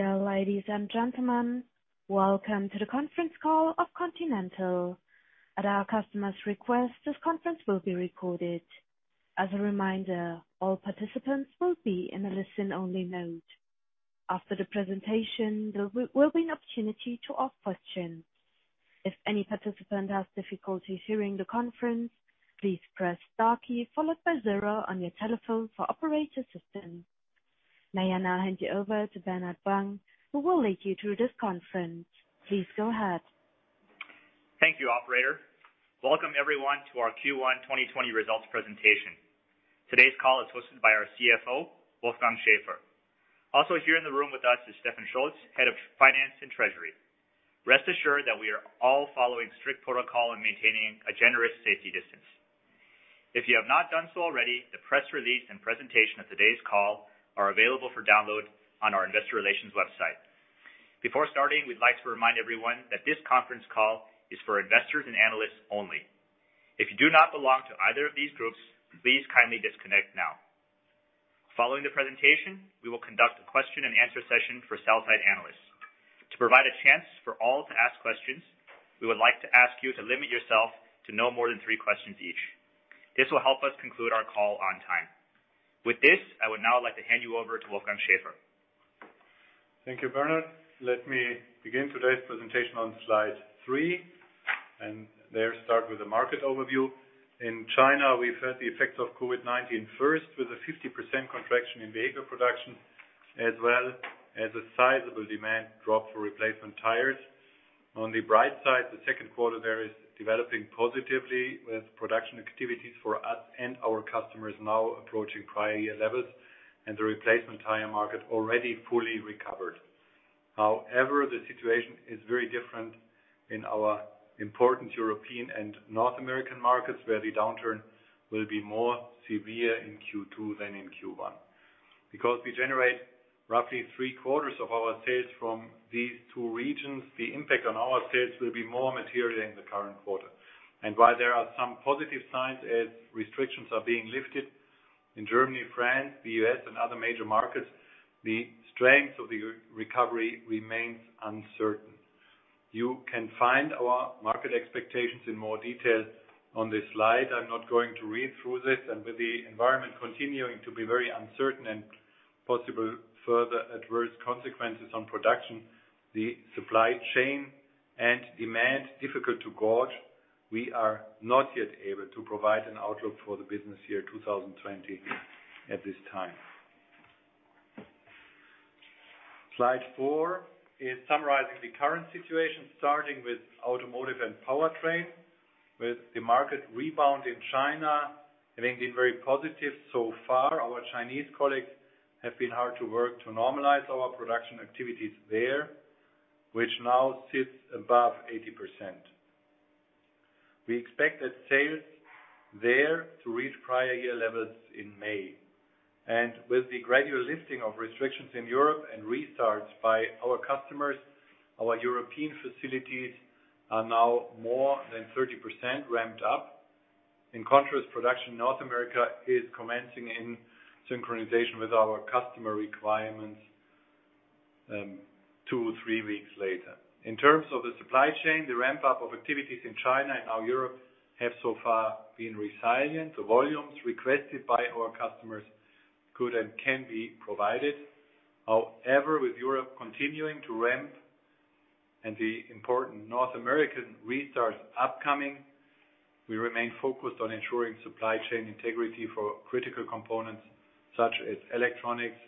Dear ladies and gentlemen, welcome to the conference call of Continental. At our customers' request, this conference will be recorded. As a reminder, all participants will be in a listen-only mode. After the presentation, there will be an opportunity to ask questions. If any participant has difficulties hearing the conference, please press star key followed by zero on your telephone for operator assistance. May I now hand you over to Bernard Wang, who will lead you through this conference. Please go ahead. Thank you, Operator. Welcome, everyone, to our Q1 2020 results presentation. Today's call is hosted by our CFO, Wolfgang Schäfer. Also here in the room with us is Stefan Scholz, Head of Finance and Treasury. Rest assured that we are all following strict protocol and maintaining a generous safety distance. If you have not done so already, the press release and presentation of today's call are available for download on our Investor Relations website. Before starting, we'd like to remind everyone that this conference call is for investors and analysts only. If you do not belong to either of these groups, please kindly disconnect now. Following the presentation, we will conduct a question-and-answer session for sell-side analysts. To provide a chance for all to ask questions, we would like to ask you to limit yourself to no more than three questions each. This will help us conclude our call on time. With this, I would now like to hand you over to Wolfgang Schäfer. Thank you, Bernard. Let me begin today's presentation on slide three, and there start with a market overview. In China, we've had the effects of COVID-19 first, with a 50% contraction in vehicle production, as well as a sizable demand drop for replacement tires. On the bright side, the second quarter there is developing positively, with production activities for us and our customers now approaching prior-year levels, and the replacement tire market already fully recovered. However, the situation is very different in our important European and North American markets, where the downturn will be more severe in Q2 than in Q1. Because we generate roughly three-quarters of our sales from these two regions, the impact on our sales will be more material in the current quarter. While there are some positive signs as restrictions are being lifted in Germany, France, the US, and other major markets, the strength of the recovery remains uncertain. You can find our market expectations in more detail on this slide. I'm not going to read through this. With the environment continuing to be very uncertain and possible further adverse consequences on production, the supply chain and demand difficult to gauge, we are not yet able to provide an outlook for the business year 2020 at this time. Slide four is summarizing the current situation, starting with automotive and powertrain, with the market rebound in China having been very positive so far. Our Chinese colleagues have been hard at work to normalize our production activities there, which now sits above 80%. We expect that sales there to reach prior-year levels in May. And with the gradual lifting of restrictions in Europe and restarts by our customers, our European facilities are now more than 30% ramped up. In contrast, production in North America is commencing in synchronization with our customer requirements two or three weeks later. In terms of the supply chain, the ramp-up of activities in China and now Europe have so far been resilient. The volumes requested by our customers could and can be provided. However, with Europe continuing to ramp and the important North American restarts upcoming, we remain focused on ensuring supply chain integrity for critical components such as electronics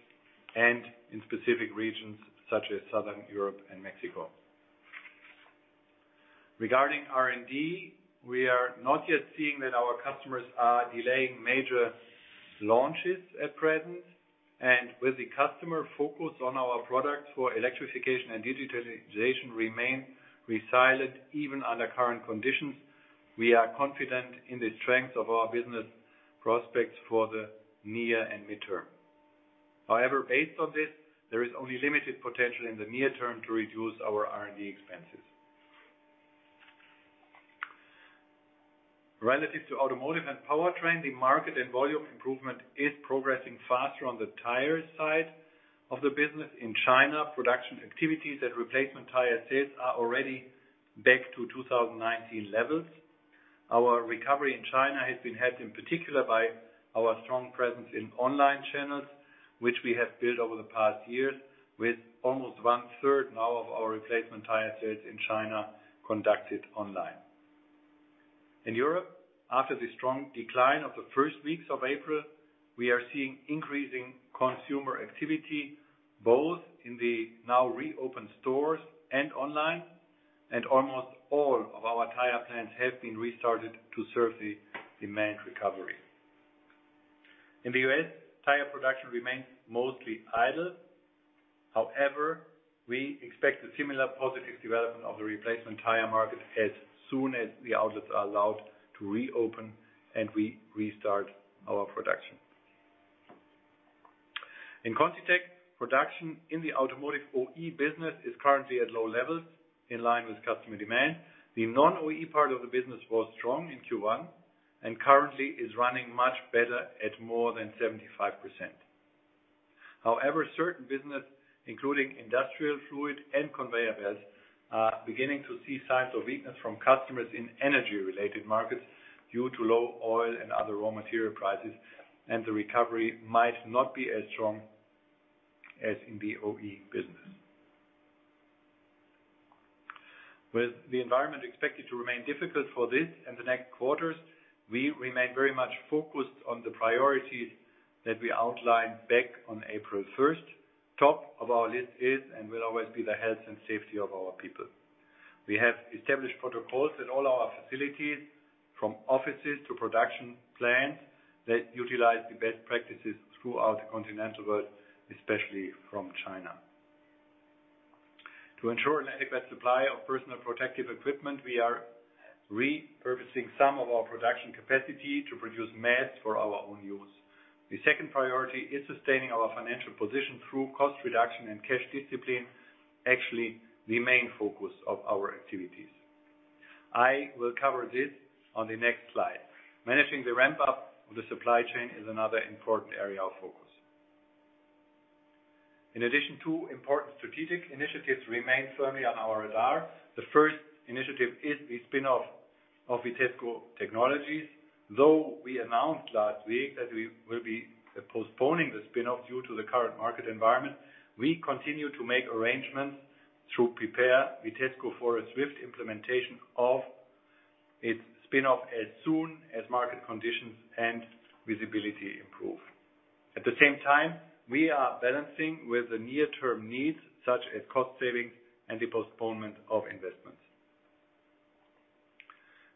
and in specific regions such as Southern Europe and Mexico. Regarding R&D, we are not yet seeing that our customers are delaying major launches at present. And with the customer focus on our products for electrification and digitalization remaining resilient even under current conditions, we are confident in the strength of our business prospects for the near and midterm. However, based on this, there is only limited potential in the near term to reduce our R&D expenses. Relative to automotive and powertrain, the market and volume improvement is progressing faster on the tire side of the business. In China, production activities and replacement tire sales are already back to 2019 levels. Our recovery in China has been helped in particular by our strong presence in online channels, which we have built over the past years, with almost one-third now of our replacement tire sales in China conducted online. In Europe, after the strong decline of the first weeks of April, we are seeing increasing consumer activity both in the now reopened stores and online, and almost all of our tire plants have been restarted to serve the demand recovery. In the U.S., tire production remains mostly idle. However, we expect a similar positive development of the replacement tire market as soon as the outlets are allowed to reopen and we restart our production. In ContiTech, production in the automotive OE business is currently at low levels in line with customer demand. The non-OE part of the business was strong in Q1 and currently is running much better at more than 75%. However, certain businesses, including industrial fluid and conveyor belts, are beginning to see signs of weakness from customers in energy-related markets due to low oil and other raw material prices, and the recovery might not be as strong as in the OE business. With the environment expected to remain difficult for this and the next quarters, we remain very much focused on the priorities that we outlined back on April 1st. Top of our list is and will always be the health and safety of our people. We have established protocols at all our facilities, from offices to production plants, that utilize the best practices throughout the Continental world, especially from China. To ensure an adequate supply of personal protective equipment, we are repurposing some of our production capacity to produce masks for our own use. The second priority is sustaining our financial position through cost reduction and cash discipline, actually the main focus of our activities. I will cover this on the next slide. Managing the ramp-up of the supply chain is another important area of focus. In addition to important strategic initiatives remaining firmly on our radar, the first initiative is the spinoff of Vitesco Technologies. Though we announced last week that we will be postponing the spinoff due to the current market environment, we continue to make arrangements to prepare Vitesco for a swift implementation of its spinoff as soon as market conditions and visibility improve. At the same time, we are balancing with the near-term needs such as cost savings and the postponement of investments.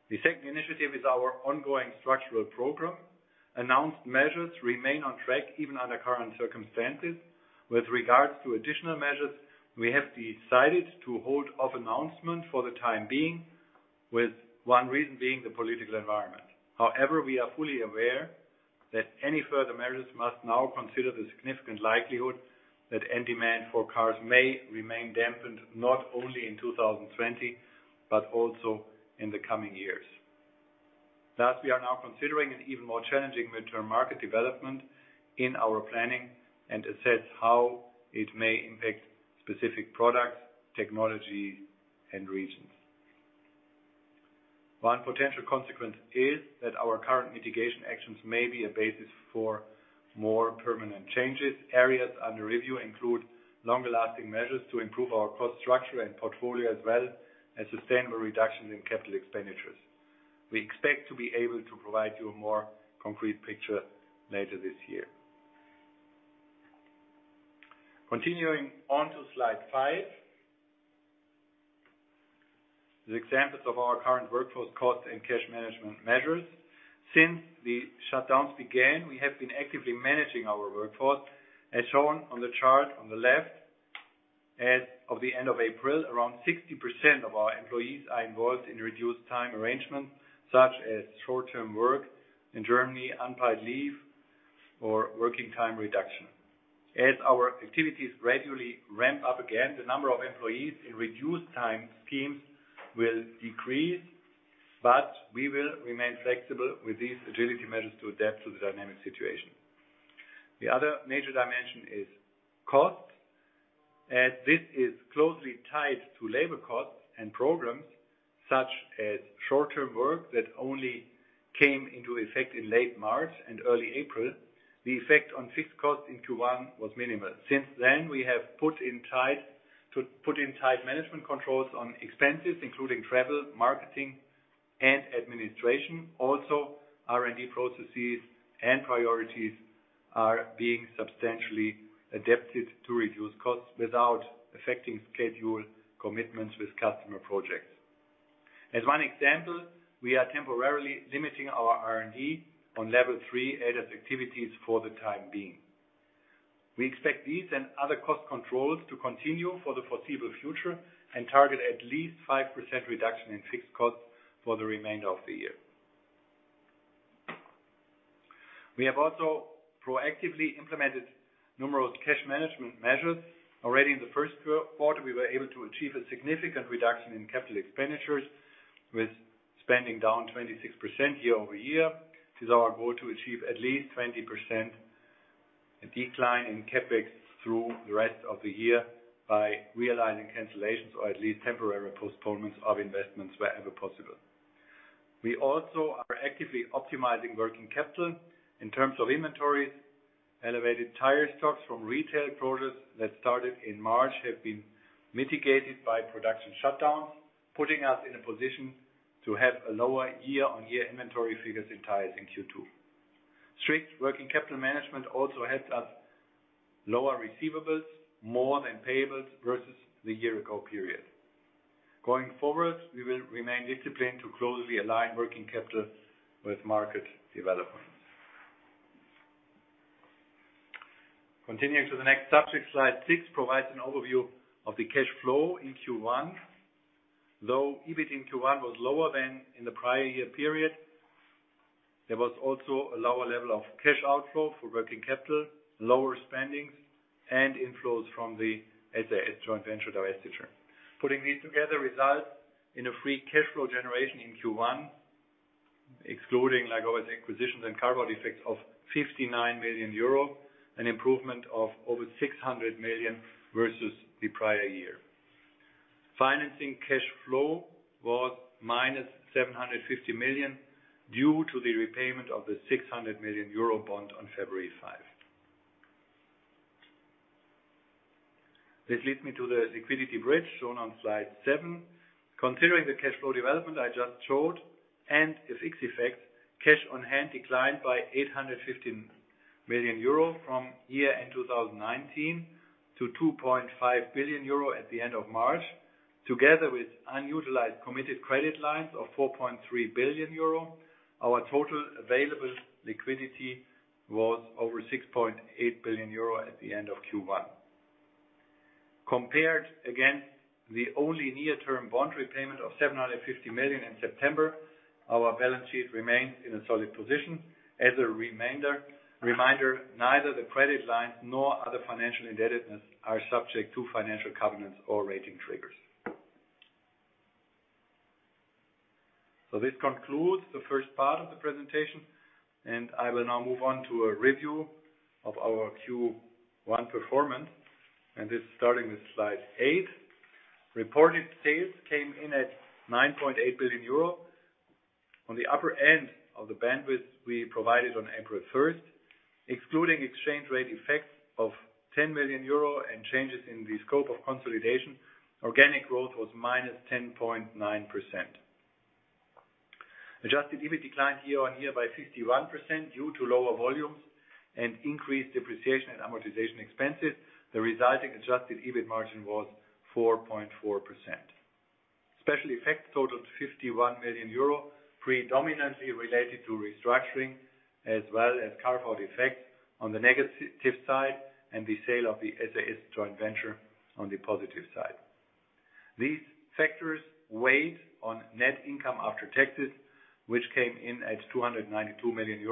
The second initiative is our ongoing structural program. Announced measures remain on track even under current circumstances. With regards to additional measures, we have decided to hold off announcement for the time being, with one reason being the political environment. However, we are fully aware that any further measures must now consider the significant likelihood that demand for cars may remain dampened not only in 2020 but also in the coming years. Thus, we are now considering an even more challenging midterm market development in our planning and assess how it may impact specific products, technologies, and regions. One potential consequence is that our current mitigation actions may be a basis for more permanent changes. Areas under review include longer-lasting measures to improve our cost structure and portfolio, as well as sustainable reductions in capital expenditures. We expect to be able to provide you a more concrete picture later this year. Continuing on to slide five, the examples of our current workforce cost and cash management measures. Since the shutdowns began, we have been actively managing our workforce, as shown on the chart on the left. As of the end of April, around 60% of our employees are involved in reduced-time arrangements such as short-term work in Germany, unpaid leave, or working-time reduction. As our activities gradually ramp up again, the number of employees in reduced-time schemes will decrease, but we will remain flexible with these agility measures to adapt to the dynamic situation. The other major dimension is costs. This is closely tied to labor costs and programs such as short-term work that only came into effect in late March and early April. The effect on fixed costs in Q1 was minimal. Since then, we have put in tight management controls on expenses, including travel, marketing, and administration. Also, R&D processes and priorities are being substantially adapted to reduce costs without affecting schedule commitments with customer projects. As one example, we are temporarily limiting our R&D on level three ADAS activities for the time being. We expect these and other cost controls to continue for the foreseeable future and target at least 5% reduction in fixed costs for the remainder of the year. We have also proactively implemented numerous cash management measures. Already in the Q1, we were able to achieve a significant reduction in capital expenditures, with spending down 26% year over year. It is our goal to achieve at least 20% decline in CapEx through the rest of the year by realizing cancellations or at least temporary postponements of investments wherever possible. We also are actively optimizing working capital in terms of inventories. Elevated tire stocks from retail production that started in March have been mitigated by production shutdowns, putting us in a position to have lower year-on-year inventory figures in tires in Q2. Strict working capital management also helps us lower receivables more than payables versus the year-ago period. Going forward, we will remain disciplined to closely align working capital with market developments. Continuing to the next subject, slide six provides an overview of the cash flow in Q1. Though EBIT in Q1 was lower than in the prior-year period, there was also a lower level of cash outflow for working capital, lower spending, and inflows from the SAS joint venture divestiture. Putting these together results in a free cash flow generation in Q1, excluding, like always, acquisitions and carve-out effects of €59 million, an improvement of over €600 million versus the prior year. Financing cash flow was minus €750 million due to the repayment of the €600 million bond on February 5. This leads me to the liquidity bridge shown on slide seven. Considering the cash flow development I just showed and the effects, cash on hand declined by €850 million from year-end 2019 to €2.5 billion at the end of March. Together with unutilized committed credit lines of €4.3 billion, our total available liquidity was over €6.8 billion at the end of Q1. Compared against the only near-term bond repayment of €750 million in September, our balance sheet remained in a solid position. As a reminder, neither the credit lines nor other financial indebtedness are subject to financial covenants or rating triggers. So this concludes the first part of the presentation, and I will now move on to a review of our Q1 performance, and this is starting with slide eight. Reported sales came in at €9.8 billion on the upper end of the bandwidth we provided on April 1st. Excluding exchange rate effects of €10 million and changes in the scope of consolidation, organic growth was minus 10.9%. Adjusted EBIT declined year-on-year by 51% due to lower volumes and increased depreciation and amortization expenses. The resulting adjusted EBIT margin was 4.4%. Special effects totaled €51 million, predominantly related to restructuring as well as carve-out effects on the negative side and the sale of the SAS joint venture on the positive side. These factors weighed on net income after taxes, which came in at €292 million,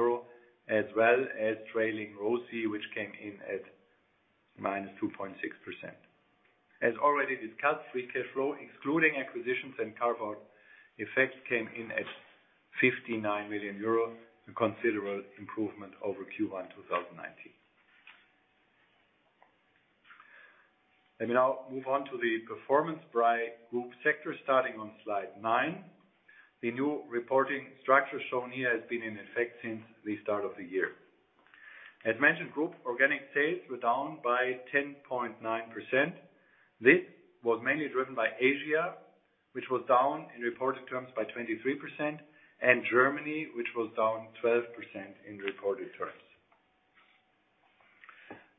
as well as trailing ROCE, which came in at minus 2.6%. As already discussed, free cash flow, excluding acquisitions and carve-out effects, came in at €59 million, a considerable improvement over Q1 2019. Let me now move on to the performance by group sectors, starting on slide nine. The new reporting structure shown here has been in effect since the start of the year. As mentioned, group organic sales were down by 10.9%. This was mainly driven by Asia, which was down in reporting terms by 23%, and Germany, which was down 12% in reporting terms.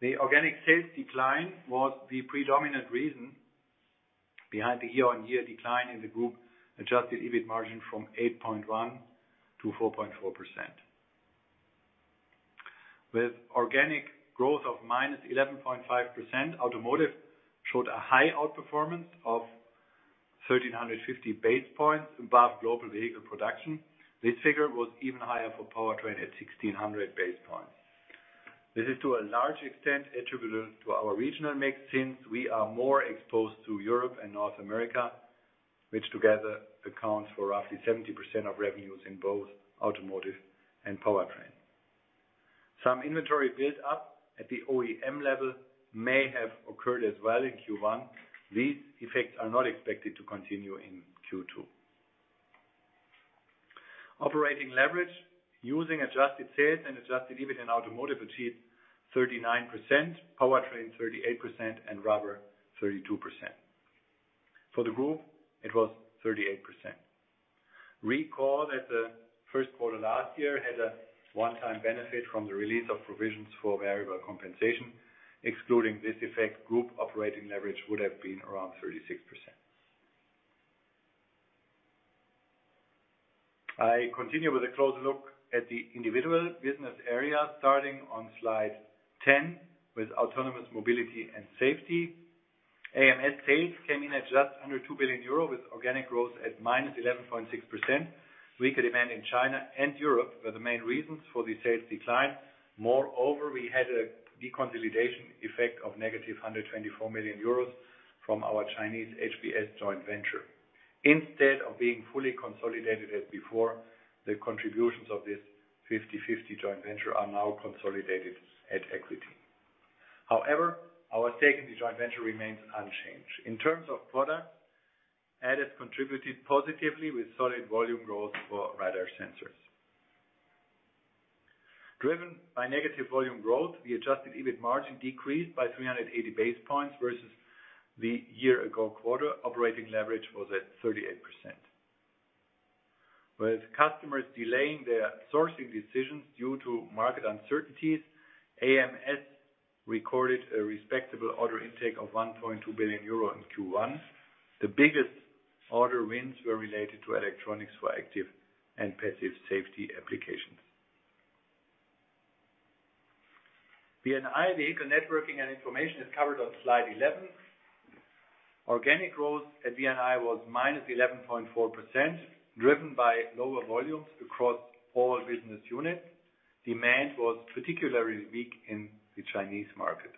The organic sales decline was the predominant reason behind the year-on-year decline in the group adjusted EBIT margin from 8.1% to 4.4%. With organic growth of minus 11.5%, automotive showed a high outperformance of 1,350 basis points above global vehicle production. This figure was even higher for powertrain at 1,600 basis points. This is to a large extent attributable to our regional mix since we are more exposed to Europe and North America, which together accounts for roughly 70% of revenues in both automotive and powertrain. Some inventory build-up at the OEM level may have occurred as well in Q1. These effects are not expected to continue in Q2. Operating leverage using adjusted sales and adjusted EBIT in automotive achieved 39%, powertrain 38%, and rubber 32%. For the group, it was 38%. Recall that the Q1 last year had a one-time benefit from the release of provisions for variable compensation. Excluding this effect, group operating leverage would have been around 36%. I continue with a closer look at the individual business area, starting on slide 10 with autonomous mobility and safety. AMS sales came in at just under €2 billion, with organic growth at minus 11.6%. Weaker demand in China and Europe were the main reasons for the sales decline. Moreover, we had a deconsolidation effect of negative €124 million from our Chinese HBS joint venture. Instead of being fully consolidated as before, the contributions of this 50/50 joint venture are now consolidated at equity. However, our stake in the joint venture remains unchanged. In terms of product, ADAS contributed positively with solid volume growth for radar sensors. Driven by negative volume growth, the adjusted EBIT margin decreased by 380 basis points versus the year-ago quarter. Operating leverage was at 38%. With customers delaying their sourcing decisions due to market uncertainties, AMS recorded a respectable order intake of €1.2 billion in Q1. The biggest order wins were related to electronics for active and passive safety applications. V&I vehicle networking and information is covered on slide 11. Organic growth at V&I was minus 11.4%, driven by lower volumes across all business units. Demand was particularly weak in the Chinese market.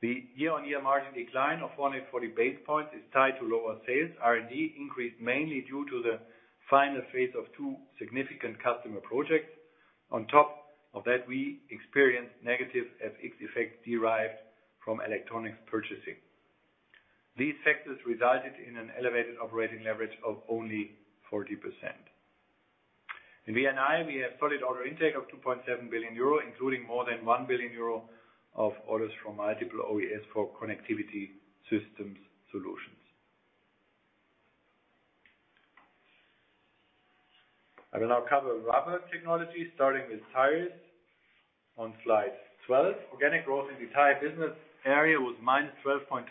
The year-on-year margin decline of 440 basis points is tied to lower sales. R&D increased mainly due to the final phase of two significant customer projects. On top of that, we experienced negative FX effects derived from electronics purchasing. These factors resulted in an elevated operating leverage of only 40%. In V&I, we have solid order intake of €2.7 billion, including more than €1 billion of orders from multiple OES for connectivity systems solutions. I will now cover rubber technology, starting with tires on slide 12. Organic growth in the tire business area was minus 12.2%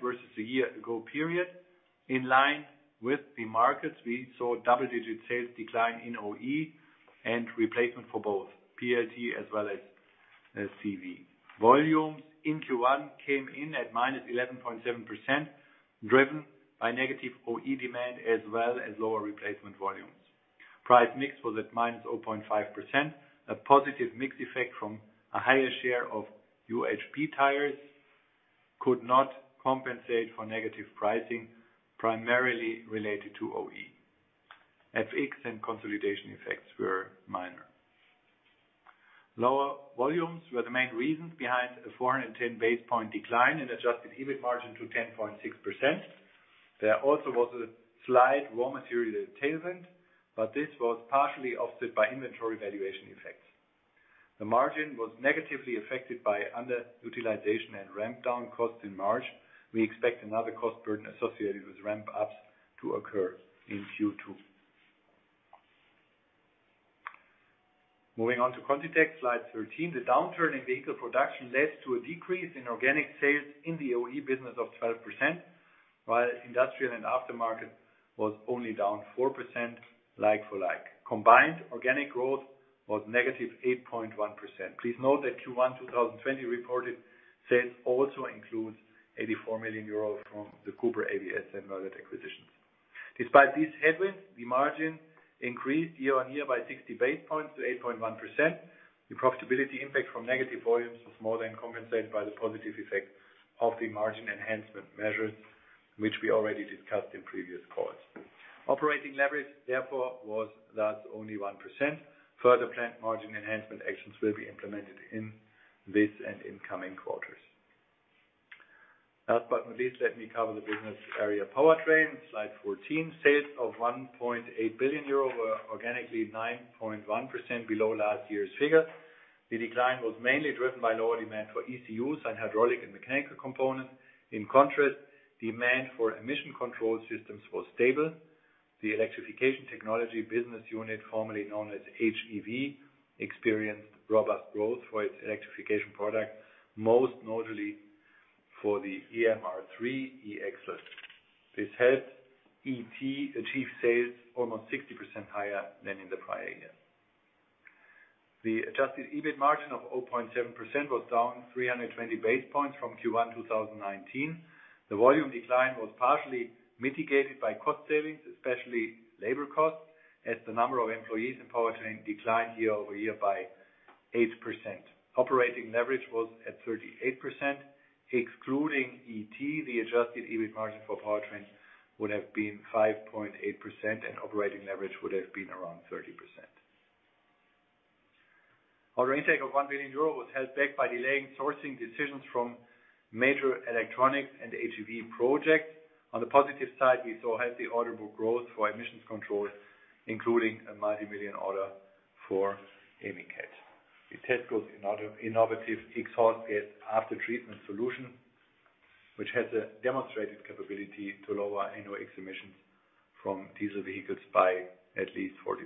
versus the year-ago period. In line with the markets, we saw double-digit sales decline in OE and replacement for both PLT as well as CV. Volumes in Q1 came in at minus 11.7%, driven by negative OE demand as well as lower replacement volumes. Price mix was at minus 0.5%. A positive mix effect from a higher share of UHP tires could not compensate for negative pricing primarily related to OE. FX and consolidation effects were minor. Lower volumes were the main reasons behind a 410 basis point decline in adjusted EBIT margin to 10.6%. There also was a slight raw material tailwind, but this was partially offset by inventory valuation effects. The margin was negatively affected by underutilization and ramp-down costs in March. We expect another cost burden associated with ramp-ups to occur in Q2. Moving on to ContiTech, slide 13. The downturn in vehicle production led to a decrease in organic sales in the OE business of 12%, while industrial and aftermarket was only down 4% like-for-like. Combined, organic growth was negative 8.1%. Please note that Q1 2020 reported sales also includes €84 million from the Cooper AVS and Merlett acquisitions. Despite these headwinds, the margin increased year-on-year by 60 basis points to 8.1%. The profitability impact from negative volumes was more than compensated by the positive effect of the margin enhancement measures, which we already discussed in previous calls. Operating leverage, therefore, was thus only 1%. Further plant margin enhancement actions will be implemented in this and incoming quarters. Last but not least, let me cover the business area powertrain, slide 14. Sales of €1.8 billion were organically 9.1% below last year's figure. The decline was mainly driven by lower demand for ECUs and hydraulic and mechanical components. In contrast, demand for emission control systems was stable. The electrification technology business unit, formerly known as HEV, experienced robust growth for its electrification product, most notably for the EMR3 EXLIF. This helped ET achieve sales almost 60% higher than in the prior year. The adjusted EBIT margin of 0.7% was down 320 basis points from Q1 2019. The volume decline was partially mitigated by cost savings, especially labor costs, as the number of employees in powertrain declined year-over-year by 8%. Operating leverage was at 38%. Excluding ET, the adjusted EBIT margin for powertrain would have been 5.8%, and operating leverage would have been around 30%. Order intake of €1 billion was held back by delaying sourcing decisions from major electronics and HEV projects. On the positive side, we saw healthy order book growth for emissions control, including a multimillion order for EMICAT. Vitesco's innovative exhaust gas after-treatment solutions, which has a demonstrated capability to lower NOx emissions from diesel vehicles by at least 40%.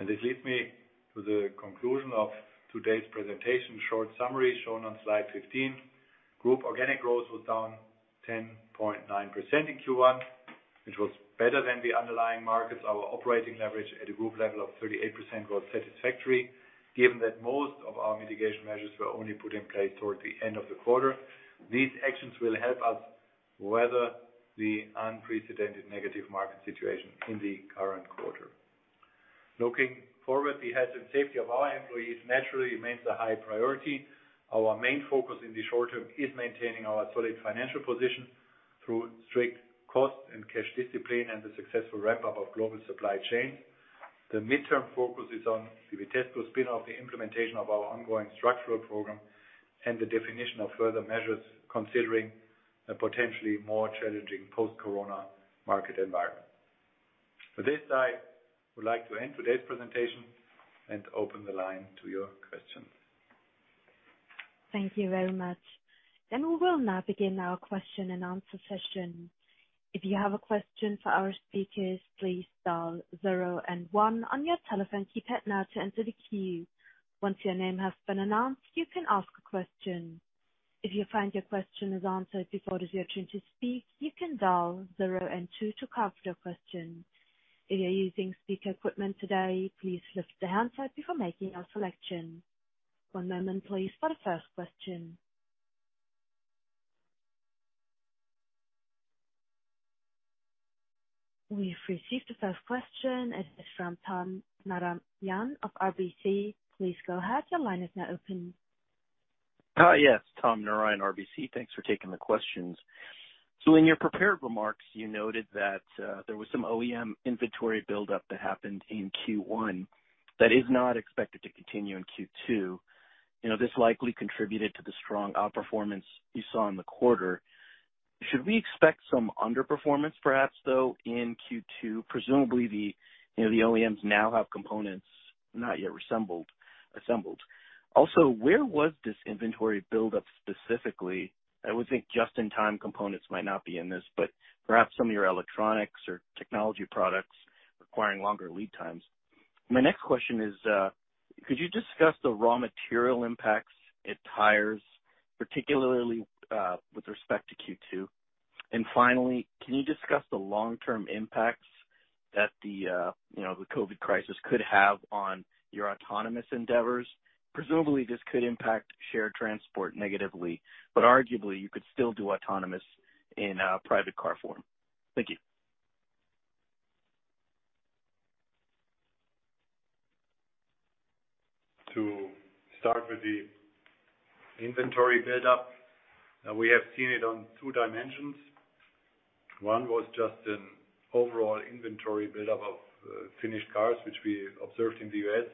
And this leads me to the conclusion of today's presentation. Short summary shown on slide 15. Group organic growth was down 10.9% in Q1, which was better than the underlying markets. Our operating leverage at a group level of 38% was satisfactory, given that most of our mitigation measures were only put in place toward the end of the quarter. These actions will help us weather the unprecedented negative market situation in the current quarter. Looking forward, the health and safety of our employees naturally remains a high priority. Our main focus in the short term is maintaining our solid financial position through strict cost and cash discipline and the successful ramp-up of global supply chains. The midterm focus is on the Vitesco spin-off, the implementation of our ongoing structural program, and the definition of further measures considering a potentially more challenging post-Corona market environment. With this, I would like to end today's presentation and open the line to your questions. Thank you very much. Then we will now begin our question and answer session. If you have a question for our speakers, please dial zero and one on your telephone keypad now to enter the queue. Once your name has been announced, you can ask a question. If you find your question is answered before it is your turn to speak, you can dial zero and two to remove your question. If you're using speaker equipment today, please lift your handset before making your selection. One moment, please, for the first question. We've received the first question. It is from Tom Narayan of RBC. Please go ahead. Your line is now open. Yes, Tom Narayan, RBC. Thanks for taking the questions. So in your prepared remarks, you noted that there was some OEM inventory build-up that happened in Q1 that is not expected to continue in Q2. This likely contributed to the strong outperformance you saw in the quarter. Should we expect some underperformance, perhaps, though, in Q2? Presumably, the OEMs now have components not yet assembled. Also, where was this inventory build-up specifically? I would think just-in-time components might not be in this, but perhaps some of your electronics or technology products requiring longer lead times. My next question is, could you discuss the raw material impacts at tires, particularly with respect to Q2? And finally, can you discuss the long-term impacts that the COVID crisis could have on your autonomous endeavors? Presumably, this could impact shared transport negatively, but arguably, you could still do autonomous in private car form. Thank you. To start with the inventory build-up, we have seen it on two dimensions. One was just an overall inventory build-up of finished cars, which we observed in the U.S.,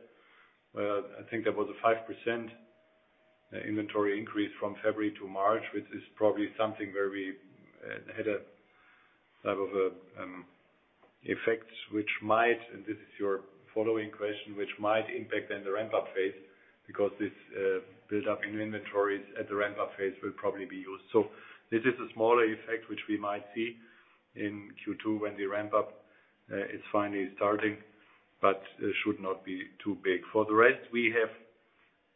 where I think there was a 5% inventory increase from February to March, which is probably something where we had a type of effect, which might, and this is your following question, which might impact then the ramp-up phase because this build-up in inventories at the ramp-up phase will probably be used. So this is a smaller effect, which we might see in Q2 when the ramp-up is finally starting, but should not be too big. For the rest, we have,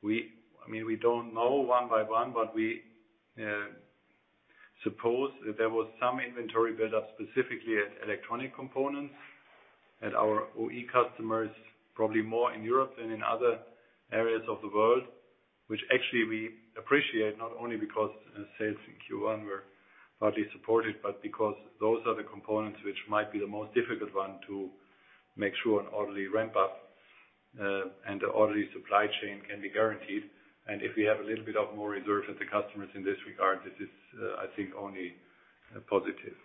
I mean, we don't know one by one, but we suppose that there was some inventory build-up specifically at electronic components at our OE customers, probably more in Europe than in other areas of the world, which actually we appreciate not only because sales in Q1 were partly supported, but because those are the components which might be the most difficult one to make sure an orderly ramp-up and an orderly supply chain can be guaranteed, and if we have a little bit of more reserves at the customers in this regard, this is, I think, only positive.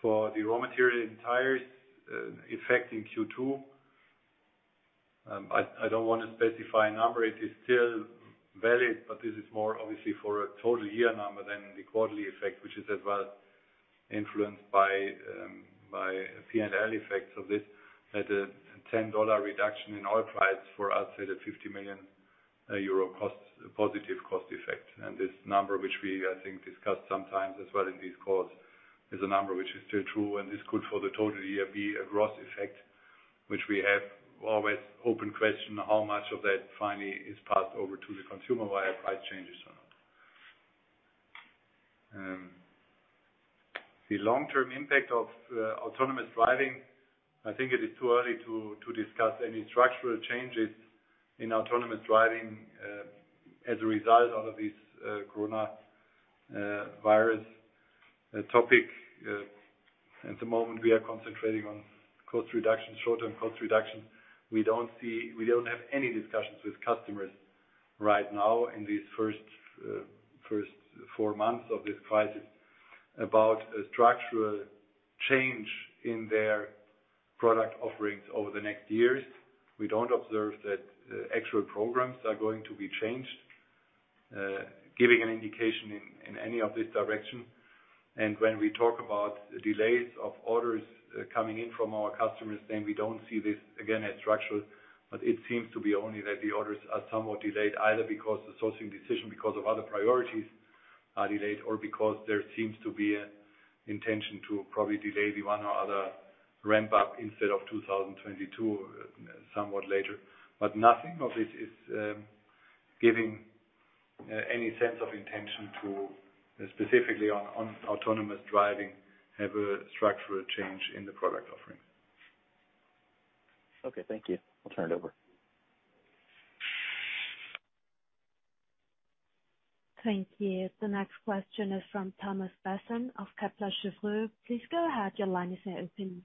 For the raw material in tires, effect in Q2, I don't want to specify a number. It is still valid, but this is more obviously for a total year number than the quarterly effect, which is as well influenced by P&L effects of this, that a $10 reduction in oil price for us had a €50 million positive cost effect. And this number, which we I think discussed sometimes as well in these calls, is a number which is still true. And this could, for the total year, be a gross effect, which we have always open question how much of that finally is passed over to the consumer via price changes or not. The long-term impact of autonomous driving, I think it is too early to discuss any structural changes in autonomous driving as a result of this coronavirus topic. At the moment, we are concentrating on cost reductions, short-term cost reductions. We don't have any discussions with customers right now in these first four months of this crisis about a structural change in their product offerings over the next years. We don't observe that actual programs are going to be changed, giving an indication in any of this direction. And when we talk about delays of orders coming in from our customers, then we don't see this, again, as structural, but it seems to be only that the orders are somewhat delayed, either because the sourcing decision, because of other priorities, are delayed, or because there seems to be an intention to probably delay the one or other ramp-up instead of 2022 somewhat later. But nothing of this is giving any sense of intention to specifically on autonomous driving have a structural change in the product offerings. Okay. Thank you. I'll turn it over. Thank you. The next question is from Thomas Besson of Kepler Cheuvreux. Please go ahead. Your line is now open.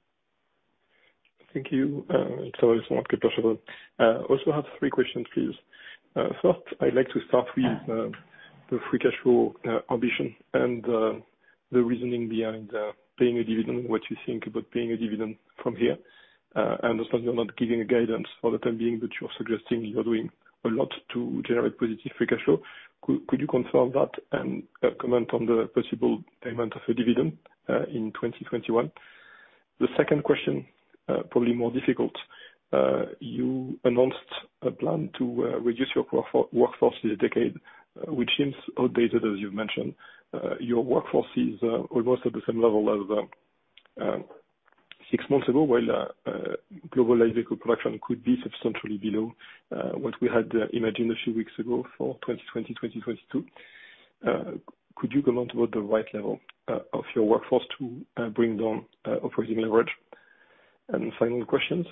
Thank you. It's Thomas Besson. Also, I have three questions, please. First, I'd like to start with the free cash flow ambition and the reasoning behind paying a dividend, what you think about paying a dividend from here. I understand you're not giving a guidance for the time being, but you're suggesting you're doing a lot to generate positive free cash flow. Could you confirm that and comment on the possible payment of a dividend in 2021? The second question, probably more difficult. You announced a plan to reduce your workforce in a decade, which seems outdated, as you've mentioned. Your workforce is almost at the same level as six months ago, while globalized vehicle production could be substantially below what we had imagined a few weeks ago for 2020, 2022. Could you comment about the right level of your workforce to bring down operating leverage? And final questions.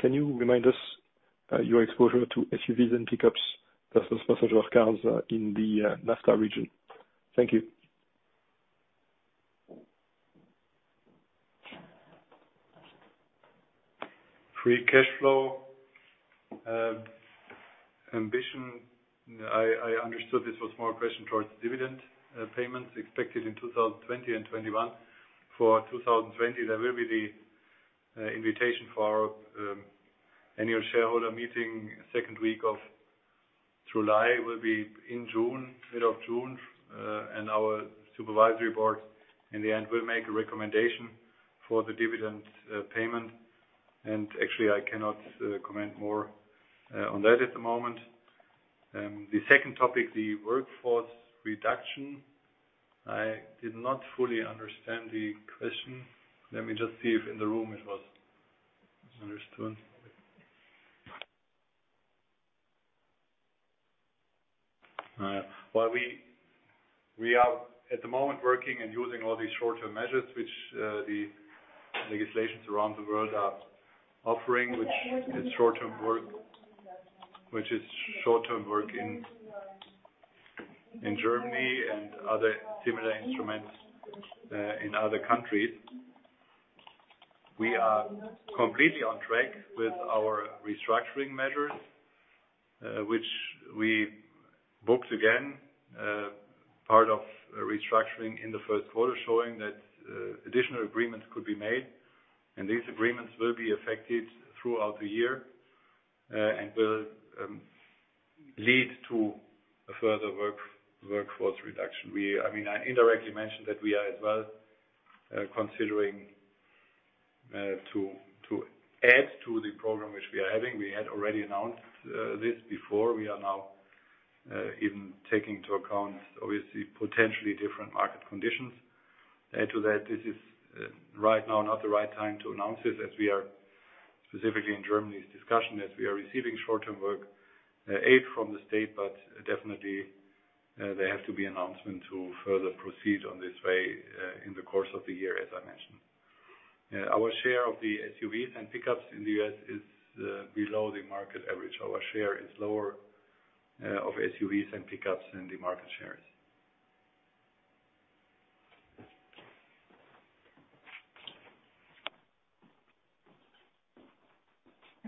Can you remind us your exposure to SUVs and pickups versus passenger cars in the NAFTA region? Thank you. Free cash flow ambition. I understood this was more a question towards dividend payments expected in 2020 and 2021. For 2020, there will be the invitation for our annual shareholder meeting second week of July. It will be in June, mid of June. And our supervisory board, in the end, will make a recommendation for the dividend payment. And actually, I cannot comment more on that at the moment. The second topic, the workforce reduction. I did not fully understand the question. Let me just see if in the room it was understood. We are at the moment working and using all these short-term measures, which the legislations around the world are offering, which is short-term work in Germany and other similar instruments in other countries. We are completely on track with our restructuring measures, which we booked. Again, part of restructuring in the Q1, showing that additional agreements could be made. These agreements will be affected throughout the year and will lead to further workforce reduction. I mean, I indirectly mentioned that we are as well considering to add to the program, which we are having. We had already announced this before. We are now even taking into account, obviously, potentially different market conditions. Add to that, this is right now not the right time to announce this, as we are specifically in Germany's discussion, as we are receiving short-term work aid from the state, but definitely, there has to be an announcement to further proceed on this way in the course of the year, as I mentioned. Our share of the SUVs and pickups in the US is below the market average. Our share is lower of SUVs and pickups than the market share is.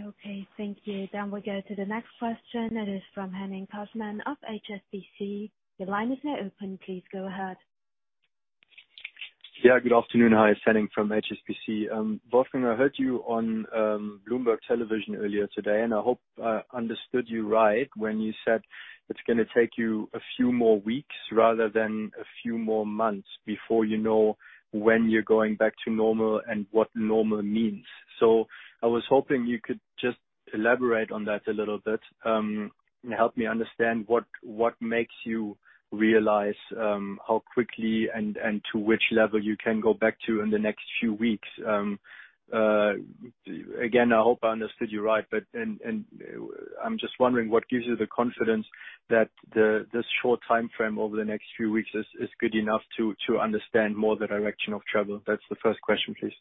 Okay. Thank you. Then we'll go to the next question. It is from Henning Cosman of HSBC. Your line is now open. Please go ahead. Yeah. Good afternoon. Hi. Henning from HSBC. Wolfgang, I heard you on Bloomberg Television earlier today, and I hope I understood you right when you said it's going to take you a few more weeks rather than a few more months before you know when you're going back to normal and what normal means. So I was hoping you could just elaborate on that a little bit and help me understand what makes you realize how quickly and to which level you can go back to in the next few weeks. Again, I hope I understood you right, but I'm just wondering, what gives you the confidence that this short timeframe over the next few weeks is good enough to understand more the direction of travel? That's the first question, please.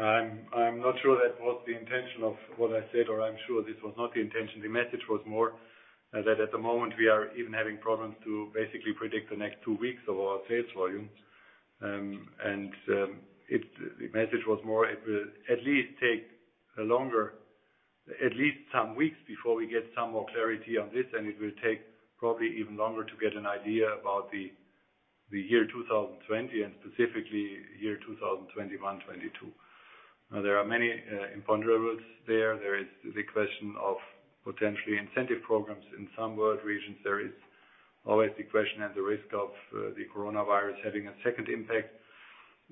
I'm not sure that was the intention of what I said, or I'm sure this was not the intention. The message was more that at the moment, we are even having problems to basically predict the next two weeks of our sales volume. And the message was more it will at least take longer, at least some weeks before we get some more clarity on this, and it will take probably even longer to get an idea about the year 2020 and specifically year 2021, 2022. Now, there are many imponderables there. There is the question of potentially incentive programs in some world regions. There is always the question and the risk of the coronavirus having a second impact,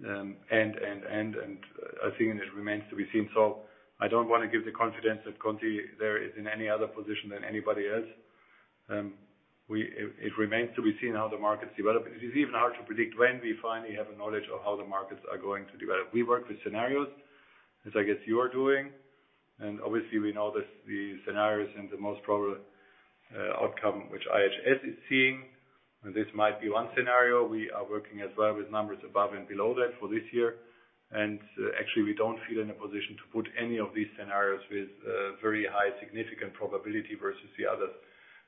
and I think it remains to be seen. So I don't want to give the confidence that Conti there is in any other position than anybody else. It remains to be seen how the markets develop. It is even hard to predict when we finally have a knowledge of how the markets are going to develop. We work with scenarios, as I guess you're doing. And obviously, we know the scenarios and the most probable outcome, which IHS is seeing. This might be one scenario. We are working as well with numbers above and below that for this year. And actually, we don't feel in a position to put any of these scenarios with very high significant probability versus the others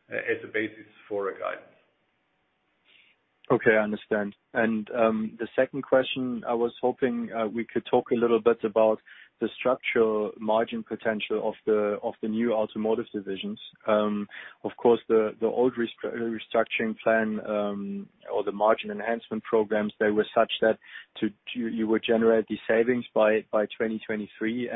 as a basis for a guidance. Okay. I understand. And the second question, I was hoping we could talk a little bit about the structural margin potential of the new automotive divisions. Of course, the old restructuring plan or the margin enhancement programs, they were such that you would generate the savings by 2023.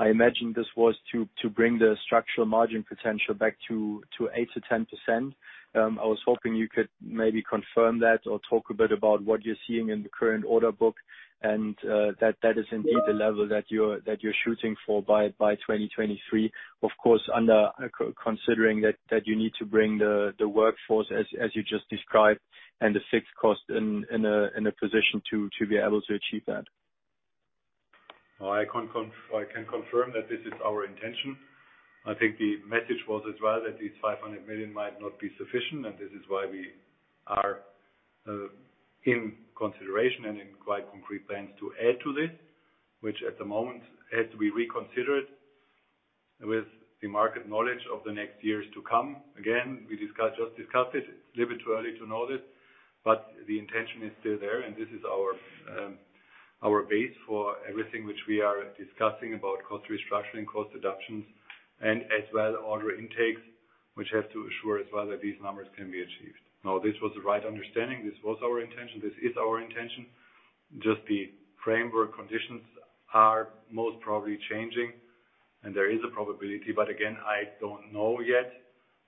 I imagine this was to bring the structural margin potential back to 8%-10%. I was hoping you could maybe confirm that or talk a bit about what you're seeing in the current order book, and that that is indeed the level that you're shooting for by 2023, of course, under considering that you need to bring the workforce, as you just described, and the fixed cost in a position to be able to achieve that. I can confirm that this is our intention. I think the message was as well that these €500 million might not be sufficient, and this is why we are in consideration and in quite concrete plans to add to this, which at the moment has to be reconsidered with the market knowledge of the next years to come. Again, we just discussed it. It's a little bit too early to know this, but the intention is still there, and this is our base for everything which we are discussing about cost restructuring, cost adoptions, and as well order intakes, which has to assure as well that these numbers can be achieved. No, this was the right understanding. This was our intention. This is our intention. Just the framework conditions are most probably changing, and there is a probability. But again, I don't know yet.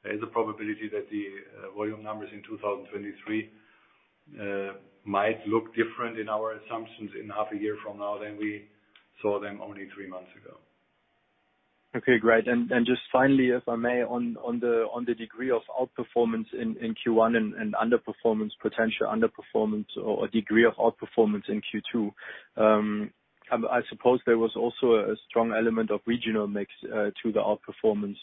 There is a probability that the volume numbers in 2023 might look different in our assumptions in half a year from now than we saw them only three months ago. Okay. Great. Just finally, if I may, on the degree of outperformance in Q1 and underperformance potential, underperformance or degree of outperformance in Q2, I suppose there was also a strong element of regional mix to the outperformance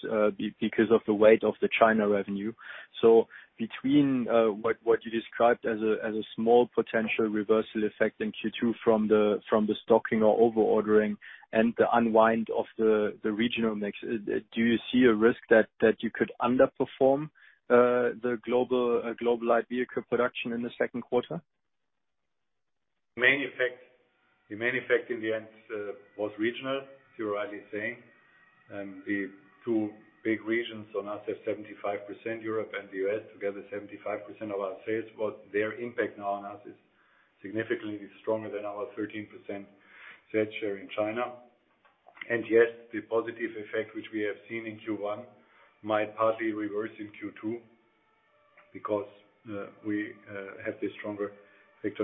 because of the weight of the China revenue. So between what you described as a small potential reversal effect in Q2 from the stocking or overordering and the unwind of the regional mix, do you see a risk that you could underperform the globalized vehicle production in the Q2? The main effect in the end was regional, theoretically saying. The two big regions on us have 75%, Europe and the US together, 75% of our sales. But their impact now on us is significantly stronger than our 13% share in China. And yes, the positive effect which we have seen in Q1 might partly reverse in Q2 because we have this stronger effect on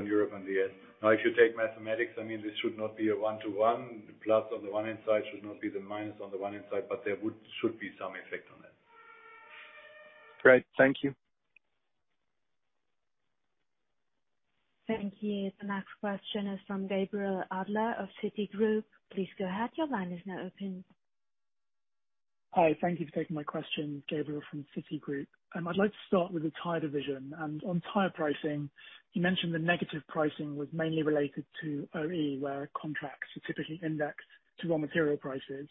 Europe and the US. Now, if you take mathematics, I mean, this should not be a one-to-one. The plus on the one-hand side should not be the minus on the one-hand side, but there should be some effect on that. Great. Thank you. Thank you. The next question is from Gabriel Adler of Citigroup. Please go ahead. Your line is now open. Hi. Thank you for taking my question, Gabriel, from Citigroup. I'd like to start with the tire division. And on tire pricing, you mentioned the negative pricing was mainly related to OE, where contracts are typically indexed to raw material prices.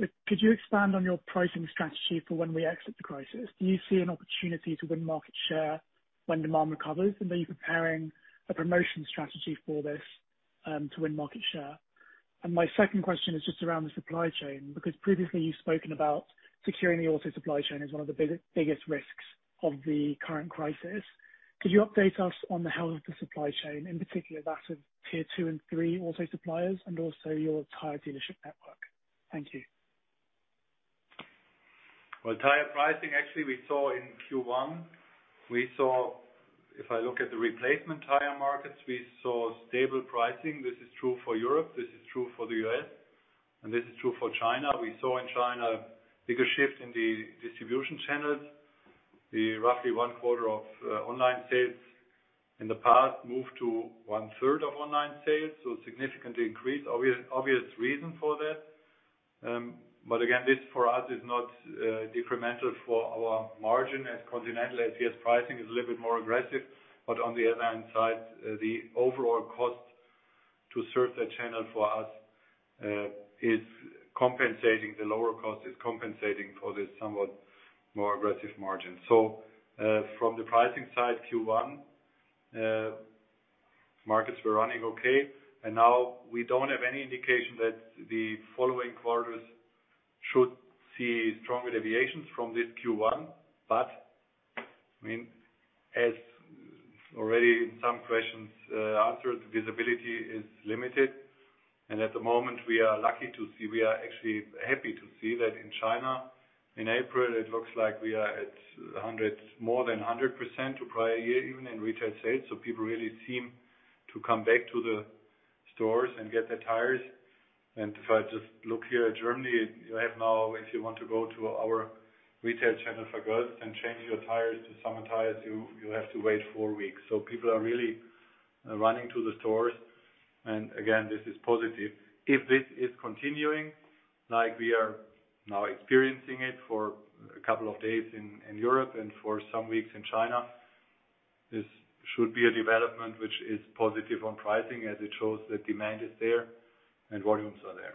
Could you expand on your pricing strategy for when we exit the crisis? Do you see an opportunity to win market share when demand recovers? And are you preparing a promotion strategy for this to win market share? And my second question is just around the supply chain because previously, you've spoken about securing the auto supply chain as one of the biggest risks of the current crisis. Could you update us on the health of the supply chain, in particular that of tier two and three auto suppliers and also your tire dealership network? Thank you. Well, tire pricing, actually, we saw in Q1. If I look at the replacement tire markets, we saw stable pricing. This is true for Europe. This is true for the US. And this is true for China. We saw in China a bigger shift in the distribution channels. Roughly one quarter of online sales in the past moved to one-third of online sales, so significantly increased. Obvious reason for that. But again, this for us is not detrimental for our margin as Continental, as US pricing is a little bit more aggressive. But on the other hand side, the overall cost to serve that channel for us is compensating. The lower cost is compensating for this somewhat more aggressive margin. So from the pricing side, Q1, markets were running okay. And now we don't have any indication that the following quarters should see stronger deviations from this Q1. But I mean, as already some questions answered, visibility is limited. And at the moment, we are lucky to see we are actually happy to see that in China, in April, it looks like we are at more than 100% to prior year even in retail sales. So people really seem to come back to the stores and get their tires. If I just look here at Germany, you have now, if you want to go to our retail channel for tires and change your tires to summer tires, you have to wait four weeks. So people are really running to the stores. And again, this is positive. If this is continuing, like we are now experiencing it for a couple of days in Europe and for some weeks in China, this should be a development which is positive on pricing as it shows that demand is there and volumes are there.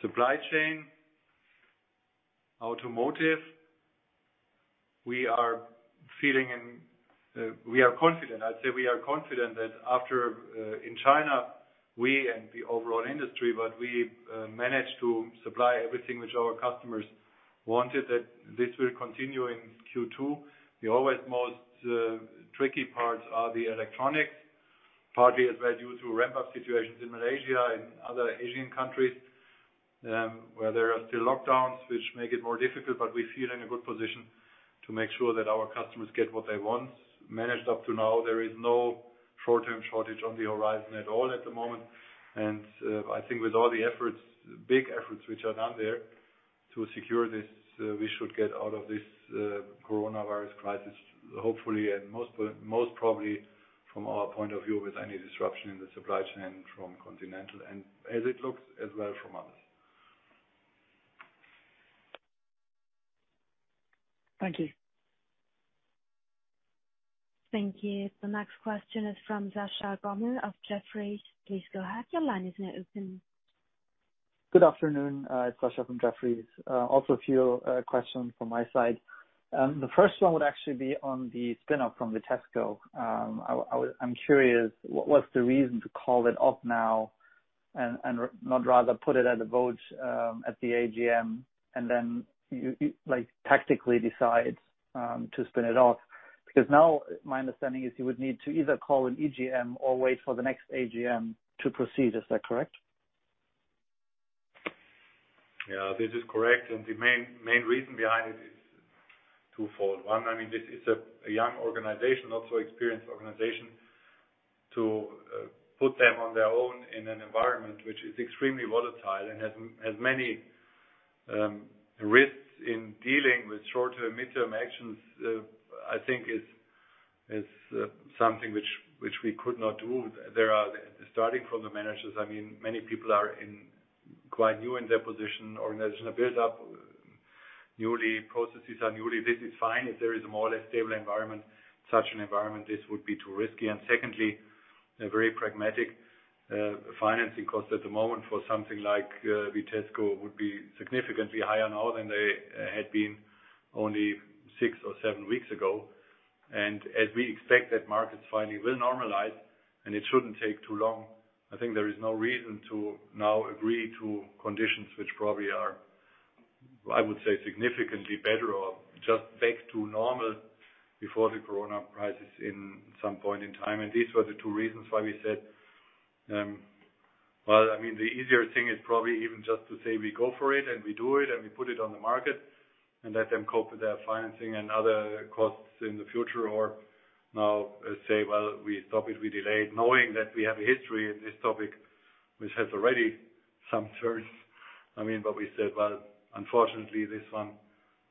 Supply chain, automotive, we are feeling and we are confident. I'd say we are confident that after in China, we and the overall industry, but we managed to supply everything which our customers wanted, that this will continue in Q2. The always most tricky parts are the electronics, partly as well due to ramp-up situations in Malaysia and other Asian countries where there are still lockdowns, which make it more difficult. But we feel in a good position to make sure that our customers get what they want. Managed up to now, there is no short-term shortage on the horizon at all at the moment. And I think with all the efforts, big efforts which are done there to secure this, we should get out of this coronavirus crisis, hopefully, and most probably from our point of view, with any disruption in the supply chain from Continental and as it looks as well from others. Thank you. Thank you. The next question is from Sascha Gommel of Jefferies. Please go ahead. Your line is now open. Good afternoon. It's Sascha from Jefferies. Also a few questions from my side. The first one would actually be on the spin-off from Vitesco. I'm curious, what's the reason to call it off now and not rather put it to the vote at the AGM and then tactically decide to spin it off? Because now my understanding is you would need to either call an EGM or wait for the next AGM to proceed. Is that correct? Yeah. This is correct. And the main reason behind it is twofold. One, I mean, this is a young organization, not so experienced organization, to put them on their own in an environment which is extremely volatile and has many risks in dealing with short-term, mid-term actions, I think is something which we could not do. Starting from the managers, I mean, many people are quite new in their position. Organizations are built up newly. Processes are newly. This is fine. If there is a more or less stable environment, such an environment, this would be too risky, and secondly, a very pragmatic financing cost at the moment for something like Vitesco would be significantly higher now than they had been only six or seven weeks ago, and as we expect that markets finally will normalize, and it shouldn't take too long, I think there is no reason to now agree to conditions which probably are, I would say, significantly better or just back to normal before the Corona crisis in some point in time. These were the two reasons why we said, well, I mean, the easier thing is probably even just to say we go for it and we do it and we put it on the market and let them cope with their financing and other costs in the future or now say, well, we stopped it, we delayed, knowing that we have a history in this topic which has already some turns. I mean, but we said, well, unfortunately, this one,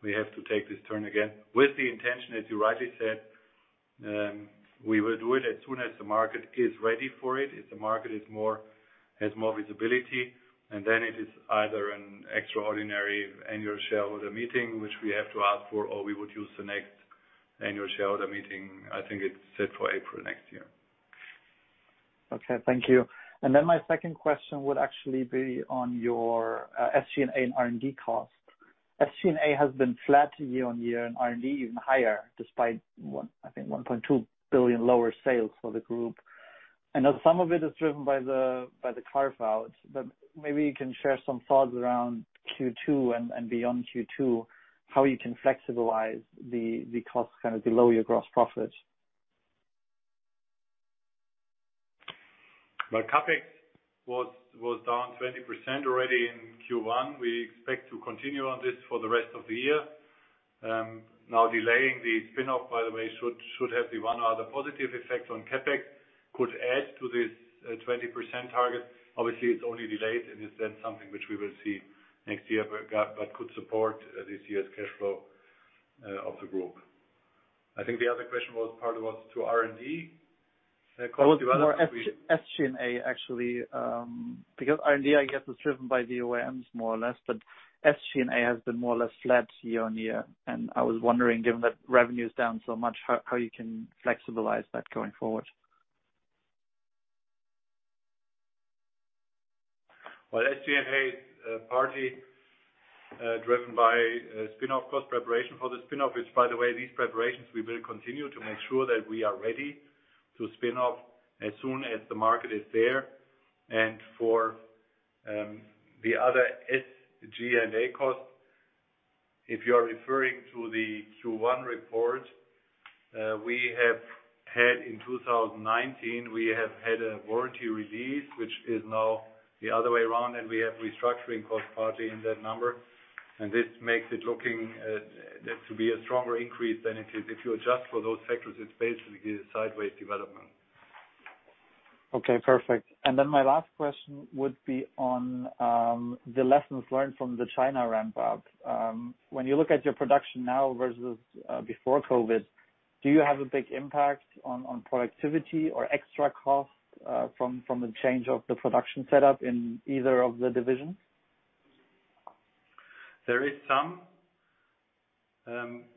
we have to take this turn again with the intention, as you rightly said, we will do it as soon as the market is ready for it, if the market has more visibility. Then it is either an extraordinary annual shareholder meeting, which we have to ask for, or we would use the next annual shareholder meeting. I think it's set for April next year. Okay. Thank you. And then my second question would actually be on your SG&A and R&D costs. SG&A has been flat year on year and R&D even higher, despite, I think, €1.2 billion lower sales for the group. I know some of it is driven by the carve-out, but maybe you can share some thoughts around Q2 and beyond Q2, how you can flexibilize the costs kind of below your gross profit. My topic was down 20% already in Q1. We expect to continue on this for the rest of the year. Now delaying the spin-off, by the way, should have the one or other positive effect on CapEx, could add to this 20% target. Obviously, it's only delayed, and it's then something which we will see next year, but could support this year's cash flow of the group. I think the other question was partly was to R&D cost development. SG&A, actually, because R&D, I guess, is driven by the OEMs more or less, but SG&A has been more or less flat year on year. And I was wondering, given that revenue is down so much, how you can flexibilize that going forward. Well, SG&A is partly driven by spin-off cost preparation for the spin-off, which, by the way, these preparations, we will continue to make sure that we are ready to spin off as soon as the market is there. And for the other SG&A cost, if you are referring to the Q1 report, we have had in 2019, we have had a warranty release, which is now the other way around, and we have restructuring costs partly in that number. And this makes it looking to be a stronger increase than it is. If you adjust for those factors, it's basically a sideways development. Okay. Perfect. And then my last question would be on the lessons learned from the China ramp-up. When you look at your production now versus before COVID, do you have a big impact on productivity or extra cost from the change of the production setup in either of the divisions? There is some,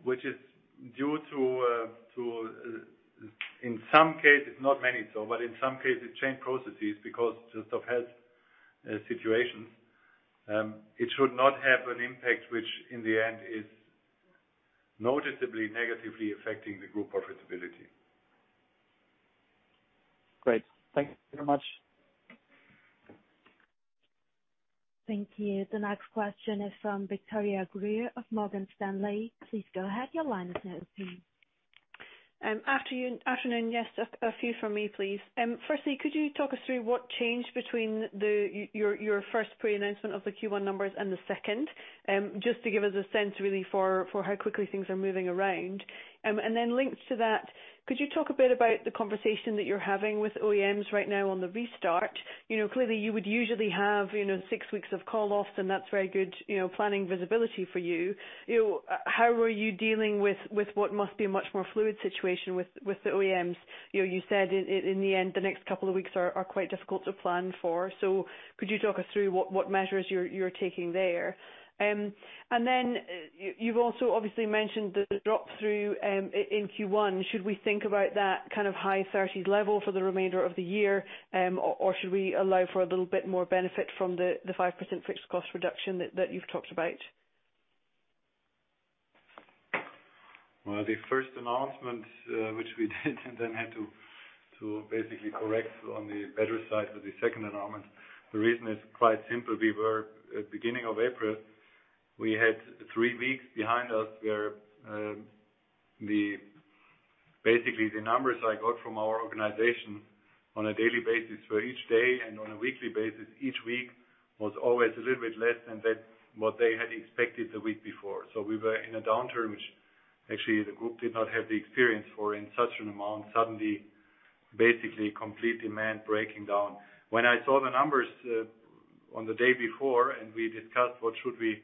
which is due to, in some cases, not many, so, but in some cases, change processes just because of health situations. It should not have an impact which in the end is noticeably negatively affecting the group profitability. Great. Thank you very much. Thank you. The next question is from Victoria Greer of Morgan Stanley. Please go ahead. Your line is now open. Afternoon. Yes, a few from me, please. Firstly, could you talk us through what changed between your first pre-announcement of the Q1 numbers and the second, just to give us a sense, really, for how quickly things are moving around? And then linked to that, could you talk a bit about the conversation that you're having with OEMs right now on the restart? Clearly, you would usually have six weeks of call-offs, and that's very good planning visibility for you. How are you dealing with what must be a much more fluid situation with the OEMs? You said in the end, the next couple of weeks are quite difficult to plan for. So could you talk us through what measures you're taking there? And then you've also obviously mentioned the drop-through in Q1. Should we think about that kind of high 30s level for the remainder of the year, or should we allow for a little bit more benefit from the 5% fixed cost reduction that you've talked about? Well, the first announcement, which we did, and then had to basically correct on the better side with the second announcement. The reason is quite simple. At the beginning of April, we had three weeks behind us where basically the numbers I got from our organization on a daily basis for each day and on a weekly basis, each week was always a little bit less than what they had expected the week before. So we were in a downturn which actually the group did not have the experience for in such an amount, suddenly basically complete demand breaking down. When I saw the numbers on the day before and we discussed what should we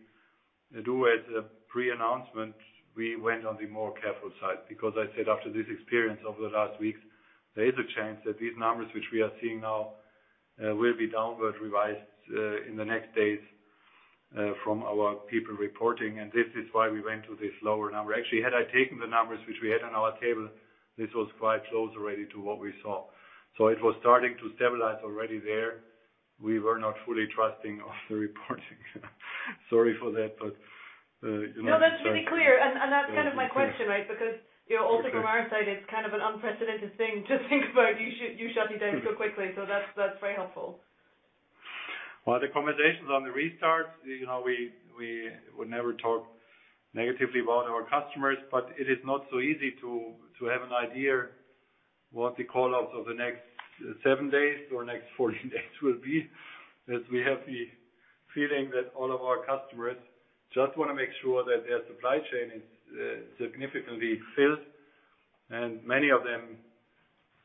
do as a pre-announcement, we went on the more careful side because I said after this experience over the last weeks, there is a chance that these numbers which we are seeing now will be downward revised in the next days from our people reporting. And this is why we went to this lower number. Actually, had I taken the numbers which we had on our table, this was quite close already to what we saw. So it was starting to stabilize already there. We were not fully trusting of the reporting. Sorry for that, but - No, that's really clear. And that's kind of my question, right? Because also from our side, it's kind of an unprecedented thing to think about you shutting down so quickly. So that's very helpful. The conversations on the restart, we would never talk negatively about our customers, but it is not so easy to have an idea what the call-offs of the next seven days or next 14 days will be as we have the feeling that all of our customers just want to make sure that their supply chain is significantly filled, and many of them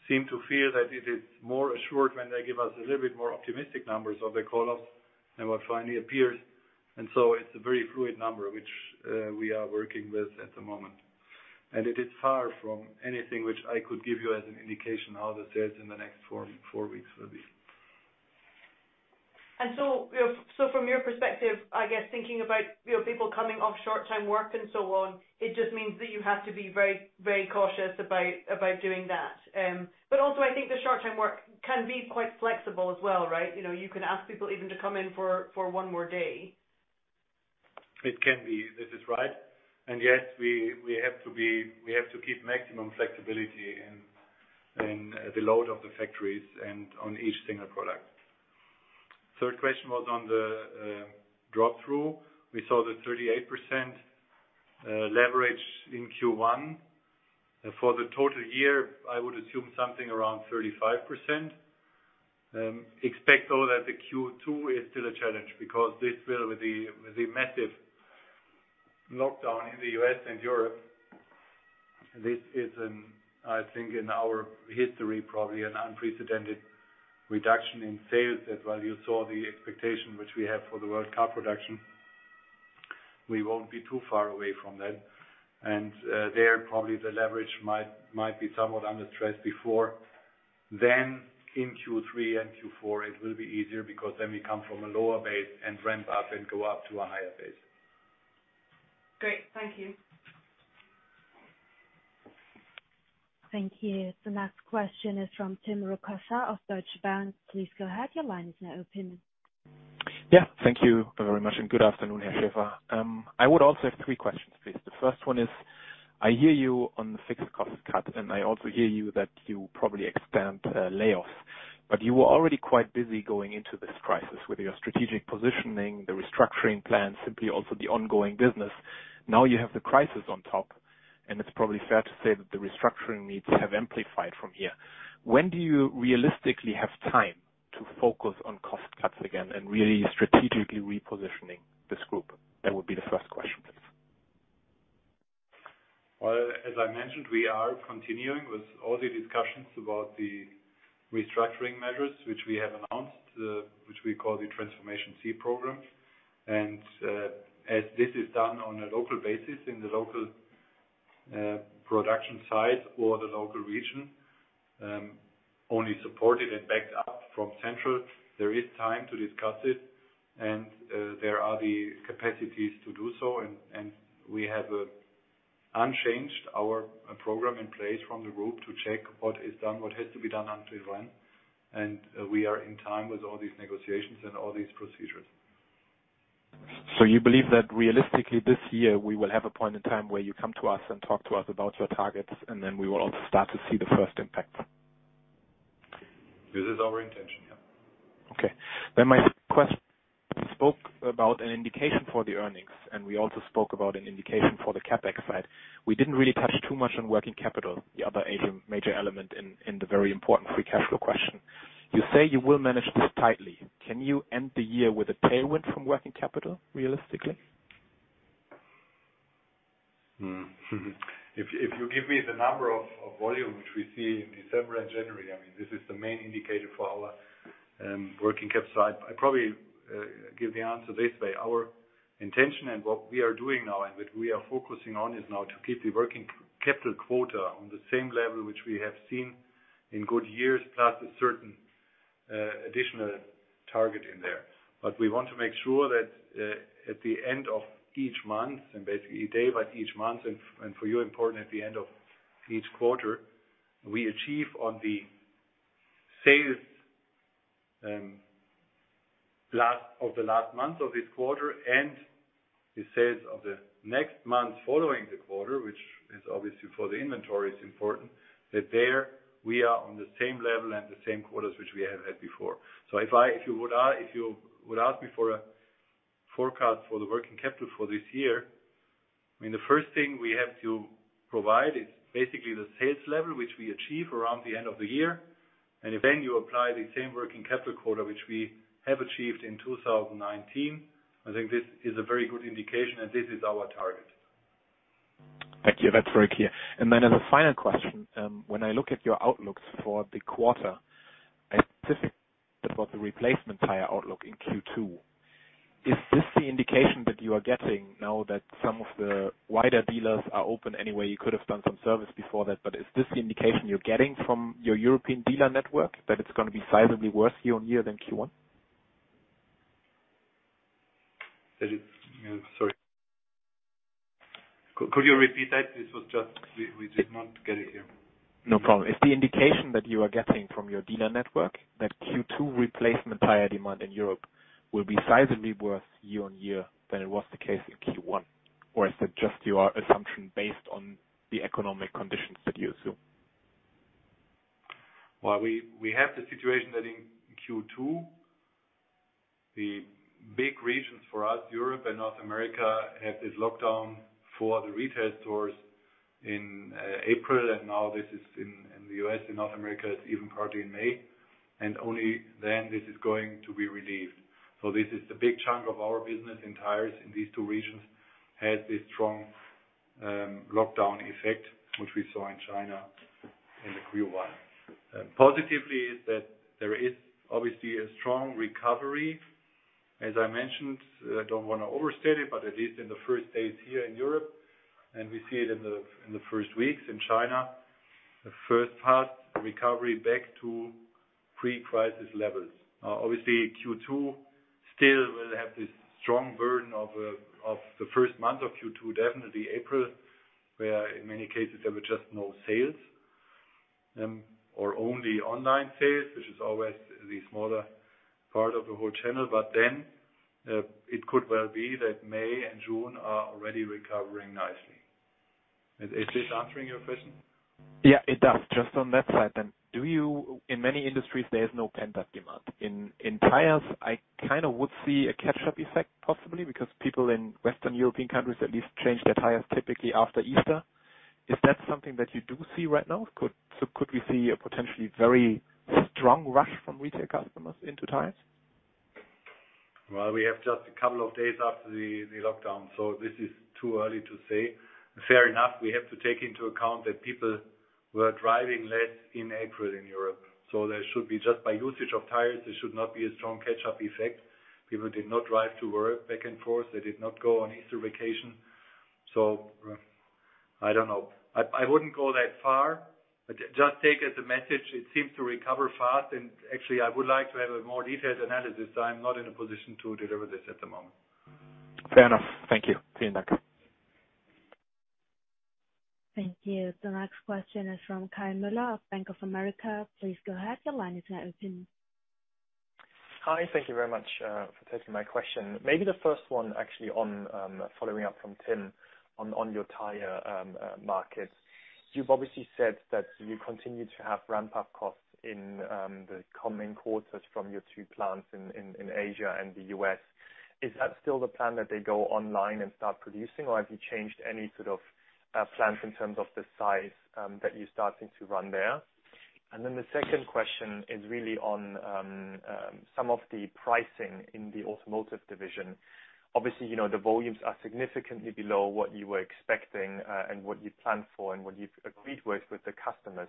seem to feel that it is more assured when they give us a little bit more optimistic numbers of the call-offs than what finally appears, and so it's a very fluid number which we are working with at the moment, and it is far from anything which I could give you as an indication how the sales in the next four weeks will be. From your perspective, I guess thinking about people coming off short-term work and so on, it just means that you have to be very, very cautious about doing that. Also I think the short-term work can be quite flexible as well, right? You can ask people even to come in for one more day. It can be. This is right. Yes, we have to keep maximum flexibility in the load of the factories and on each single product. Third question was on the drop-through. We saw the 38% leverage in Q1. For the total year, I would assume something around 35%. Expect though that the Q2 is still a challenge because this will, with the massive lockdown in the U.S. and Europe, this is, I think, in our history, probably an unprecedented reduction in sales that, well, you saw the expectation which we have for the world car production. We won't be too far away from that. And there, probably the leverage might be somewhat under stress before. Then in Q3 and Q4, it will be easier because then we come from a lower base and ramp up and go up to a higher base. Great. Thank you. Thank you. The next question is from Tim Rokossa of Deutsche Bank. Please go ahead. Your line is now open. Yeah. Thank you very much. And good afternoon, Herr Schäfer. I would also have three questions, please. The first one is, I hear you on the fixed cost cut, and I also hear you that you probably expand layoffs. But you were already quite busy going into this crisis with your strategic positioning, the restructuring plan, simply also the ongoing business. Now you have the crisis on top, and it's probably fair to say that the restructuring needs have amplified from here. When do you realistically have time to focus on cost cuts again and really strategically repositioning this group? That would be the first question, please. As I mentioned, we are continuing with all the discussions about the restructuring measures which we have announced, which we call the Transformation C program. And as this is done on a local basis in the local production site or the local region, only supported and backed up from central, there is time to discuss it. There are the capacities to do so. We have unchanged our program in place from the group to check what is done, what has to be done until when. We are in time with all these negotiations and all these procedures. You believe that realistically this year, we will have a point in time where you come to us and talk to us about your targets, and then we will also start to see the first impacts? This is our intention, yeah. Okay. My question, you spoke about an indication for the earnings, and we also spoke about an indication for the CapEx side. We didn't really touch too much on working capital, the other major element in the very important free cash flow question. You say you will manage this tightly. Can you end the year with a tailwind from working capital, realistically? If you give me the number of volume which we see in December and January, I mean, this is the main indicator for our working capital side. I probably give the answer this way. Our intention and what we are doing now and what we are focusing on is now to keep the working capital quota on the same level which we have seen in good years, plus a certain additional target in there. But we want to make sure that at the end of each month, and basically day by day each month, and for you, important at the end of each quarter, we achieve on the sales of the last month of this quarter and the sales of the next month following the quarter, which is obviously for the inventory is important, that there we are on the same level and the same quotas which we have had before. So if you would ask me for a forecast for the working capital for this year, I mean, the first thing we have to provide is basically the sales level which we achieve around the end of the year, and if then you apply the same working capital quota which we have achieved in 2019, I think this is a very good indication, and this is our target. Thank you. That's very clear. And then as a final question, when I look at your outlook for the quarter, I specifically thought about the replacement tire outlook in Q2. Is this the indication that you are getting now that some of the wider dealers are open anyway? You could have done some service before that, but is this the indication you're getting from your European dealer network that it's going to be sizably worse year on year than Q1? Sorry. Could you repeat that? We did not get it here. No problem. Is the indication that you are getting from your dealer network that Q2 replacement tire demand in Europe will be sizably worse year-on-year than it was the case in Q1? Or is that just your assumption based on the economic conditions that you assume? We have the situation that in Q2, the big regions for us, Europe and North America, had this lockdown for the retail stores in April, and now this is in the US and North America. It's even partly in May. Only then this is going to be relieved. This is the big chunk of our business in tires in these two regions has this strong lockdown effect which we saw in China in the Q1. Positively is that there is obviously a strong recovery. As I mentioned, I don't want to overstate it, but at least in the first days here in Europe, and we see it in the first weeks in China, the first part recovery back to pre-crisis levels. Now, obviously, Q2 still will have this strong burden of the first month of Q2, definitely April, where in many cases there were just no sales or only online sales, which is always the smaller part of the whole channel. But then it could well be that May and June are already recovering nicely. Is this answering your question? Yeah, it does. Just on that side then, in many industries, there is no pent-up demand. In tires, I kind of would see a catch-up effect possibly because people in Western European countries at least change their tires typically after Easter. Is that something that you do see right now? So could we see a potentially very strong rush from retail customers into tires? Well, we have just a couple of days after the lockdown, so this is too early to say. Fair enough. We have to take into account that people were driving less in April in Europe. So there should be just by usage of tires, there should not be a strong catch-up effect. People did not drive to work back and forth. They did not go on Easter vacation. So I don't know. I wouldn't go that far. Just take as a message, it seems to recover fast, and actually, I would like to have a more detailed analysis. I'm not in a position to deliver this at the moment. Fair enough. Thank you. Vielen Dank. Thank you. The next question is from Kai Mueller of Bank of America. Please go ahead. Your line is now open. Hi. Thank you very much for taking my question. Maybe the first one actually following up from Tim on your tire market. You've obviously said that you continue to have ramp-up costs in the coming quarters from your two plants in Asia and the U.S. Is that still the plan that they go online and start producing, or have you changed any sort of plans in terms of the size that you're starting to run there? And then the second question is really on some of the pricing in the automotive division. Obviously, the volumes are significantly below what you were expecting and what you planned for and what you've agreed with the customers.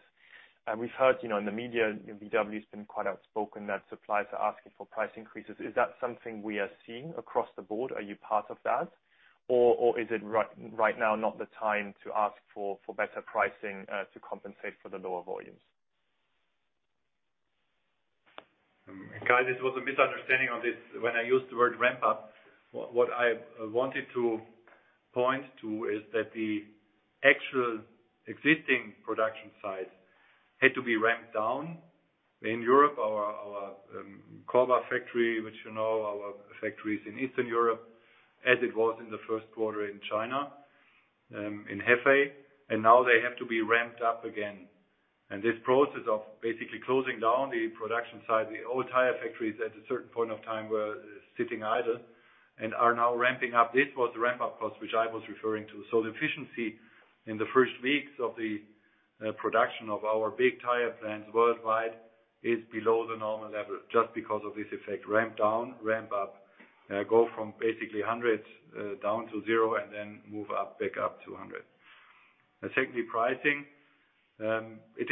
And we've heard in the media, VW has been quite outspoken that suppliers are asking for price increases. Is that something we are seeing across the board? Are you part of that? Or is it right now not the time to ask for better pricing to compensate for the lower volumes? Guys, this was a misunderstanding on this. When I used the word ramp-up, what I wanted to point to is that the actual existing production sites had to be ramped down. In Europe, our Korbach factory, which you know, our factories in Eastern Europe, as it was in the Q1 in China, in Hefei, and now they have to be ramped up again, and this process of basically closing down the production site, the old tire factories at a certain point of time were sitting idle and are now ramping up. This was the ramp-up cost which I was referring to, so the efficiency in the first weeks of the production of our big tire plants worldwide is below the normal level just because of this effect. Ramp down, ramp up, go from basically 100 down to 0 and then move back up to 100. Secondly, pricing. It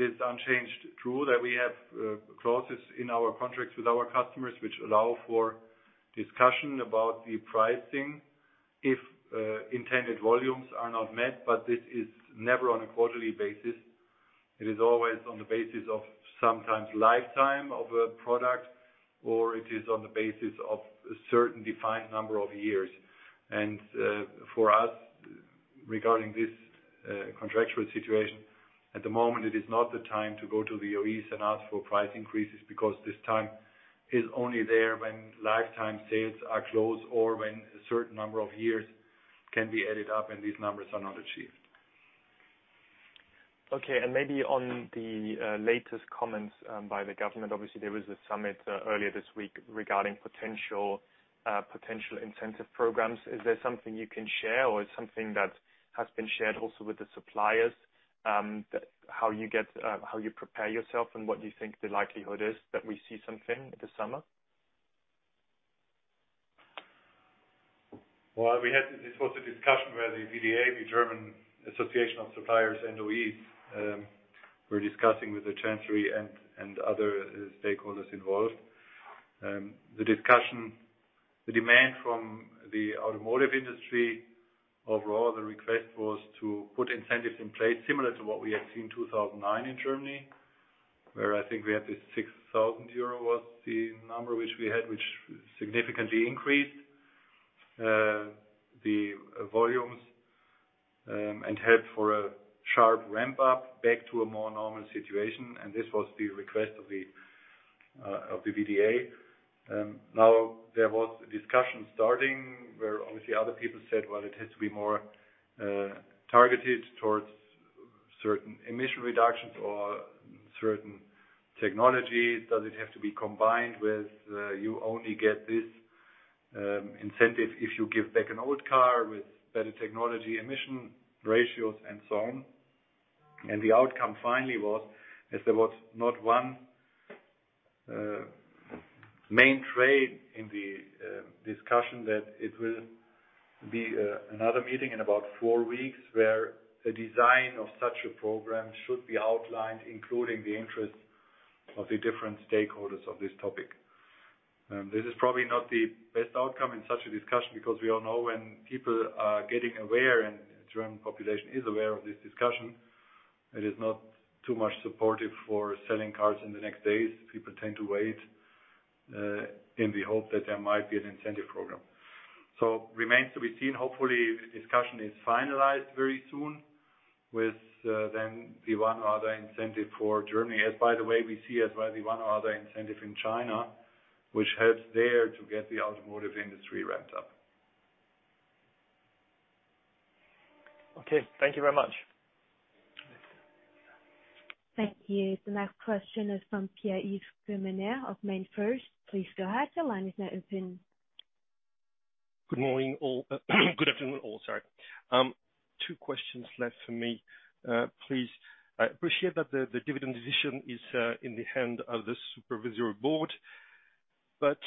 is unchanged, true, that we have clauses in our contracts with our customers which allow for discussion about the pricing if intended volumes are not met, but this is never on a quarterly basis. It is always on the basis of sometimes lifetime of a product, or it is on the basis of a certain defined number of years. And for us, regarding this contractual situation, at the moment, it is not the time to go to the OEMs and ask for price increases because this time is only there when lifetime sales are closed or when a certain number of years can be added up and these numbers are not achieved. Okay. And maybe on the latest comments by the government, obviously, there was a summit earlier this week regarding potential incentive programs. Is there something you can share, or is something that has been shared also with the suppliers, how you prepare yourself and what you think the likelihood is that we see something this summer? Well, this was a discussion where the VDA, the German Association of the Automotive Industry, were discussing with the chancellery and other stakeholders involved. The demand from the automotive industry overall, the request was to put incentives in place similar to what we had seen in 2009 in Germany, where I think we had this €6,000 was the number which we had, which significantly increased the volumes and helped for a sharp ramp-up back to a more normal situation. And this was the request of the VDA. Now, there was a discussion starting where obviously other people said, "Well, it has to be more targeted towards certain emission reductions or certain technology. “Does it have to be combined with you only get this incentive if you give back an old car with better technology, emission ratios, and so on?”, and the outcome finally was, as there was not one main thread in the discussion, that it will be another meeting in about four weeks where the design of such a program should be outlined, including the interests of the different stakeholders of this topic. This is probably not the best outcome in such a discussion because we all know when people are getting aware and the German population is aware of this discussion; it is not too much supportive for selling cars in the next days. People tend to wait in the hope that there might be an incentive program, so remains to be seen. Hopefully, the discussion is finalized very soon with then the one or other incentive for Germany, as by the way, we see as well the one or other incentive in China, which helps there to get the automotive industry ramped up. Okay. Thank you very much. Thank you. The next question is from Pierre-Yves Quemener of MainFirst. Please go ahead. Your line is now open. Good afternoon, all. Sorry. Two questions left for me. Please, I appreciate that the dividend decision is in the hand of the supervisory board, but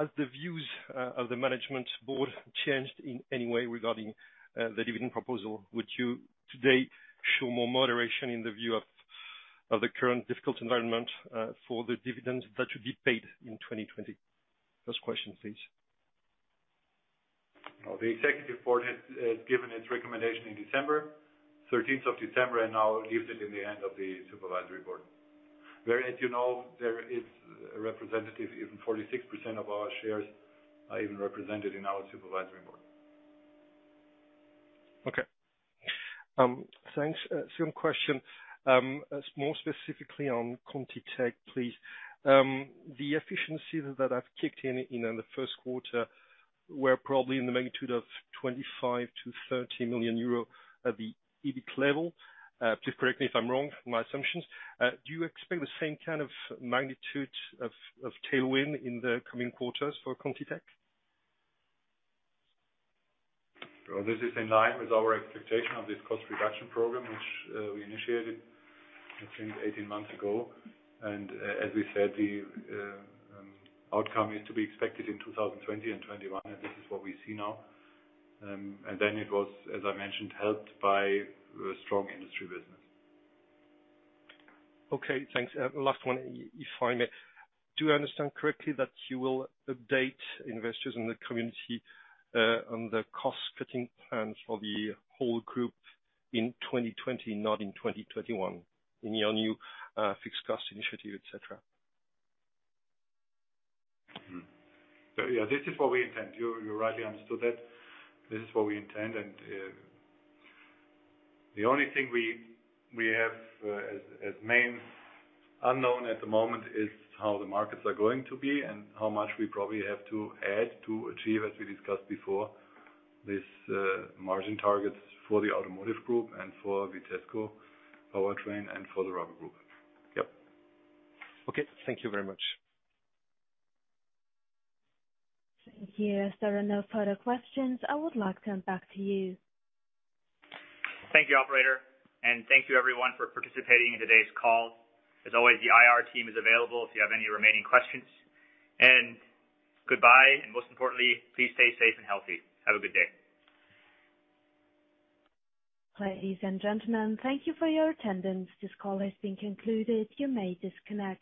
as the views of the management board changed in any way regarding the dividend proposal, would you today show more moderation in the view of the current difficult environment for the dividends that should be paid in 2020? First question, please. The executive board has given its recommendation in December, 13th of December, and now leaves it in the hand of the supervisory board. Where, as you know, there is a representative, even 46% of our shares are even represented in our supervisory board. Okay. Thanks. Second question, more specifically on ContiTech, please. The efficiencies that I've kicked in in the Q1 were probably in the magnitude of €25-30 million at the EBIT level. Please correct me if I'm wrong, my assumptions. Do you expect the same kind of magnitude of tailwind in the coming quarters for ContiTech? Well, this is in line with our expectation of this cost reduction program, which we initiated, I think, 18 months ago. And as we said, the outcome is to be expected in 2020 and 2021, and this is what we see now. And then it was, as I mentioned, helped by strong industry business. Okay. Thanks. Last one, if I may. Do I understand correctly that you will update investors in the community on the cost-cutting plan for the whole group in 2020, not in 2021, in your new fixed-cost initiative, etc.? Yeah, this is what we intend. You rightly understood that. This is what we intend. And the only thing we have as main unknown at the moment is how the markets are going to be and how much we probably have to add to achieve, as we discussed before, these margin targets for the automotive group and for Vitesco Powertrain and for the rubber group. Yep. Okay. Thank you very much. Thank you, Mr. Bernard, for the questions. I would like to turn back to you. Thank you, Operator. And thank you, everyone, for participating in today's call. As always, the IR team is available if you have any remaining questions. And goodbye. And most importantly, please stay safe and healthy. Have a good day. Ladies and gentlemen, thank you for your attendance. This call has been concluded. You may disconnect.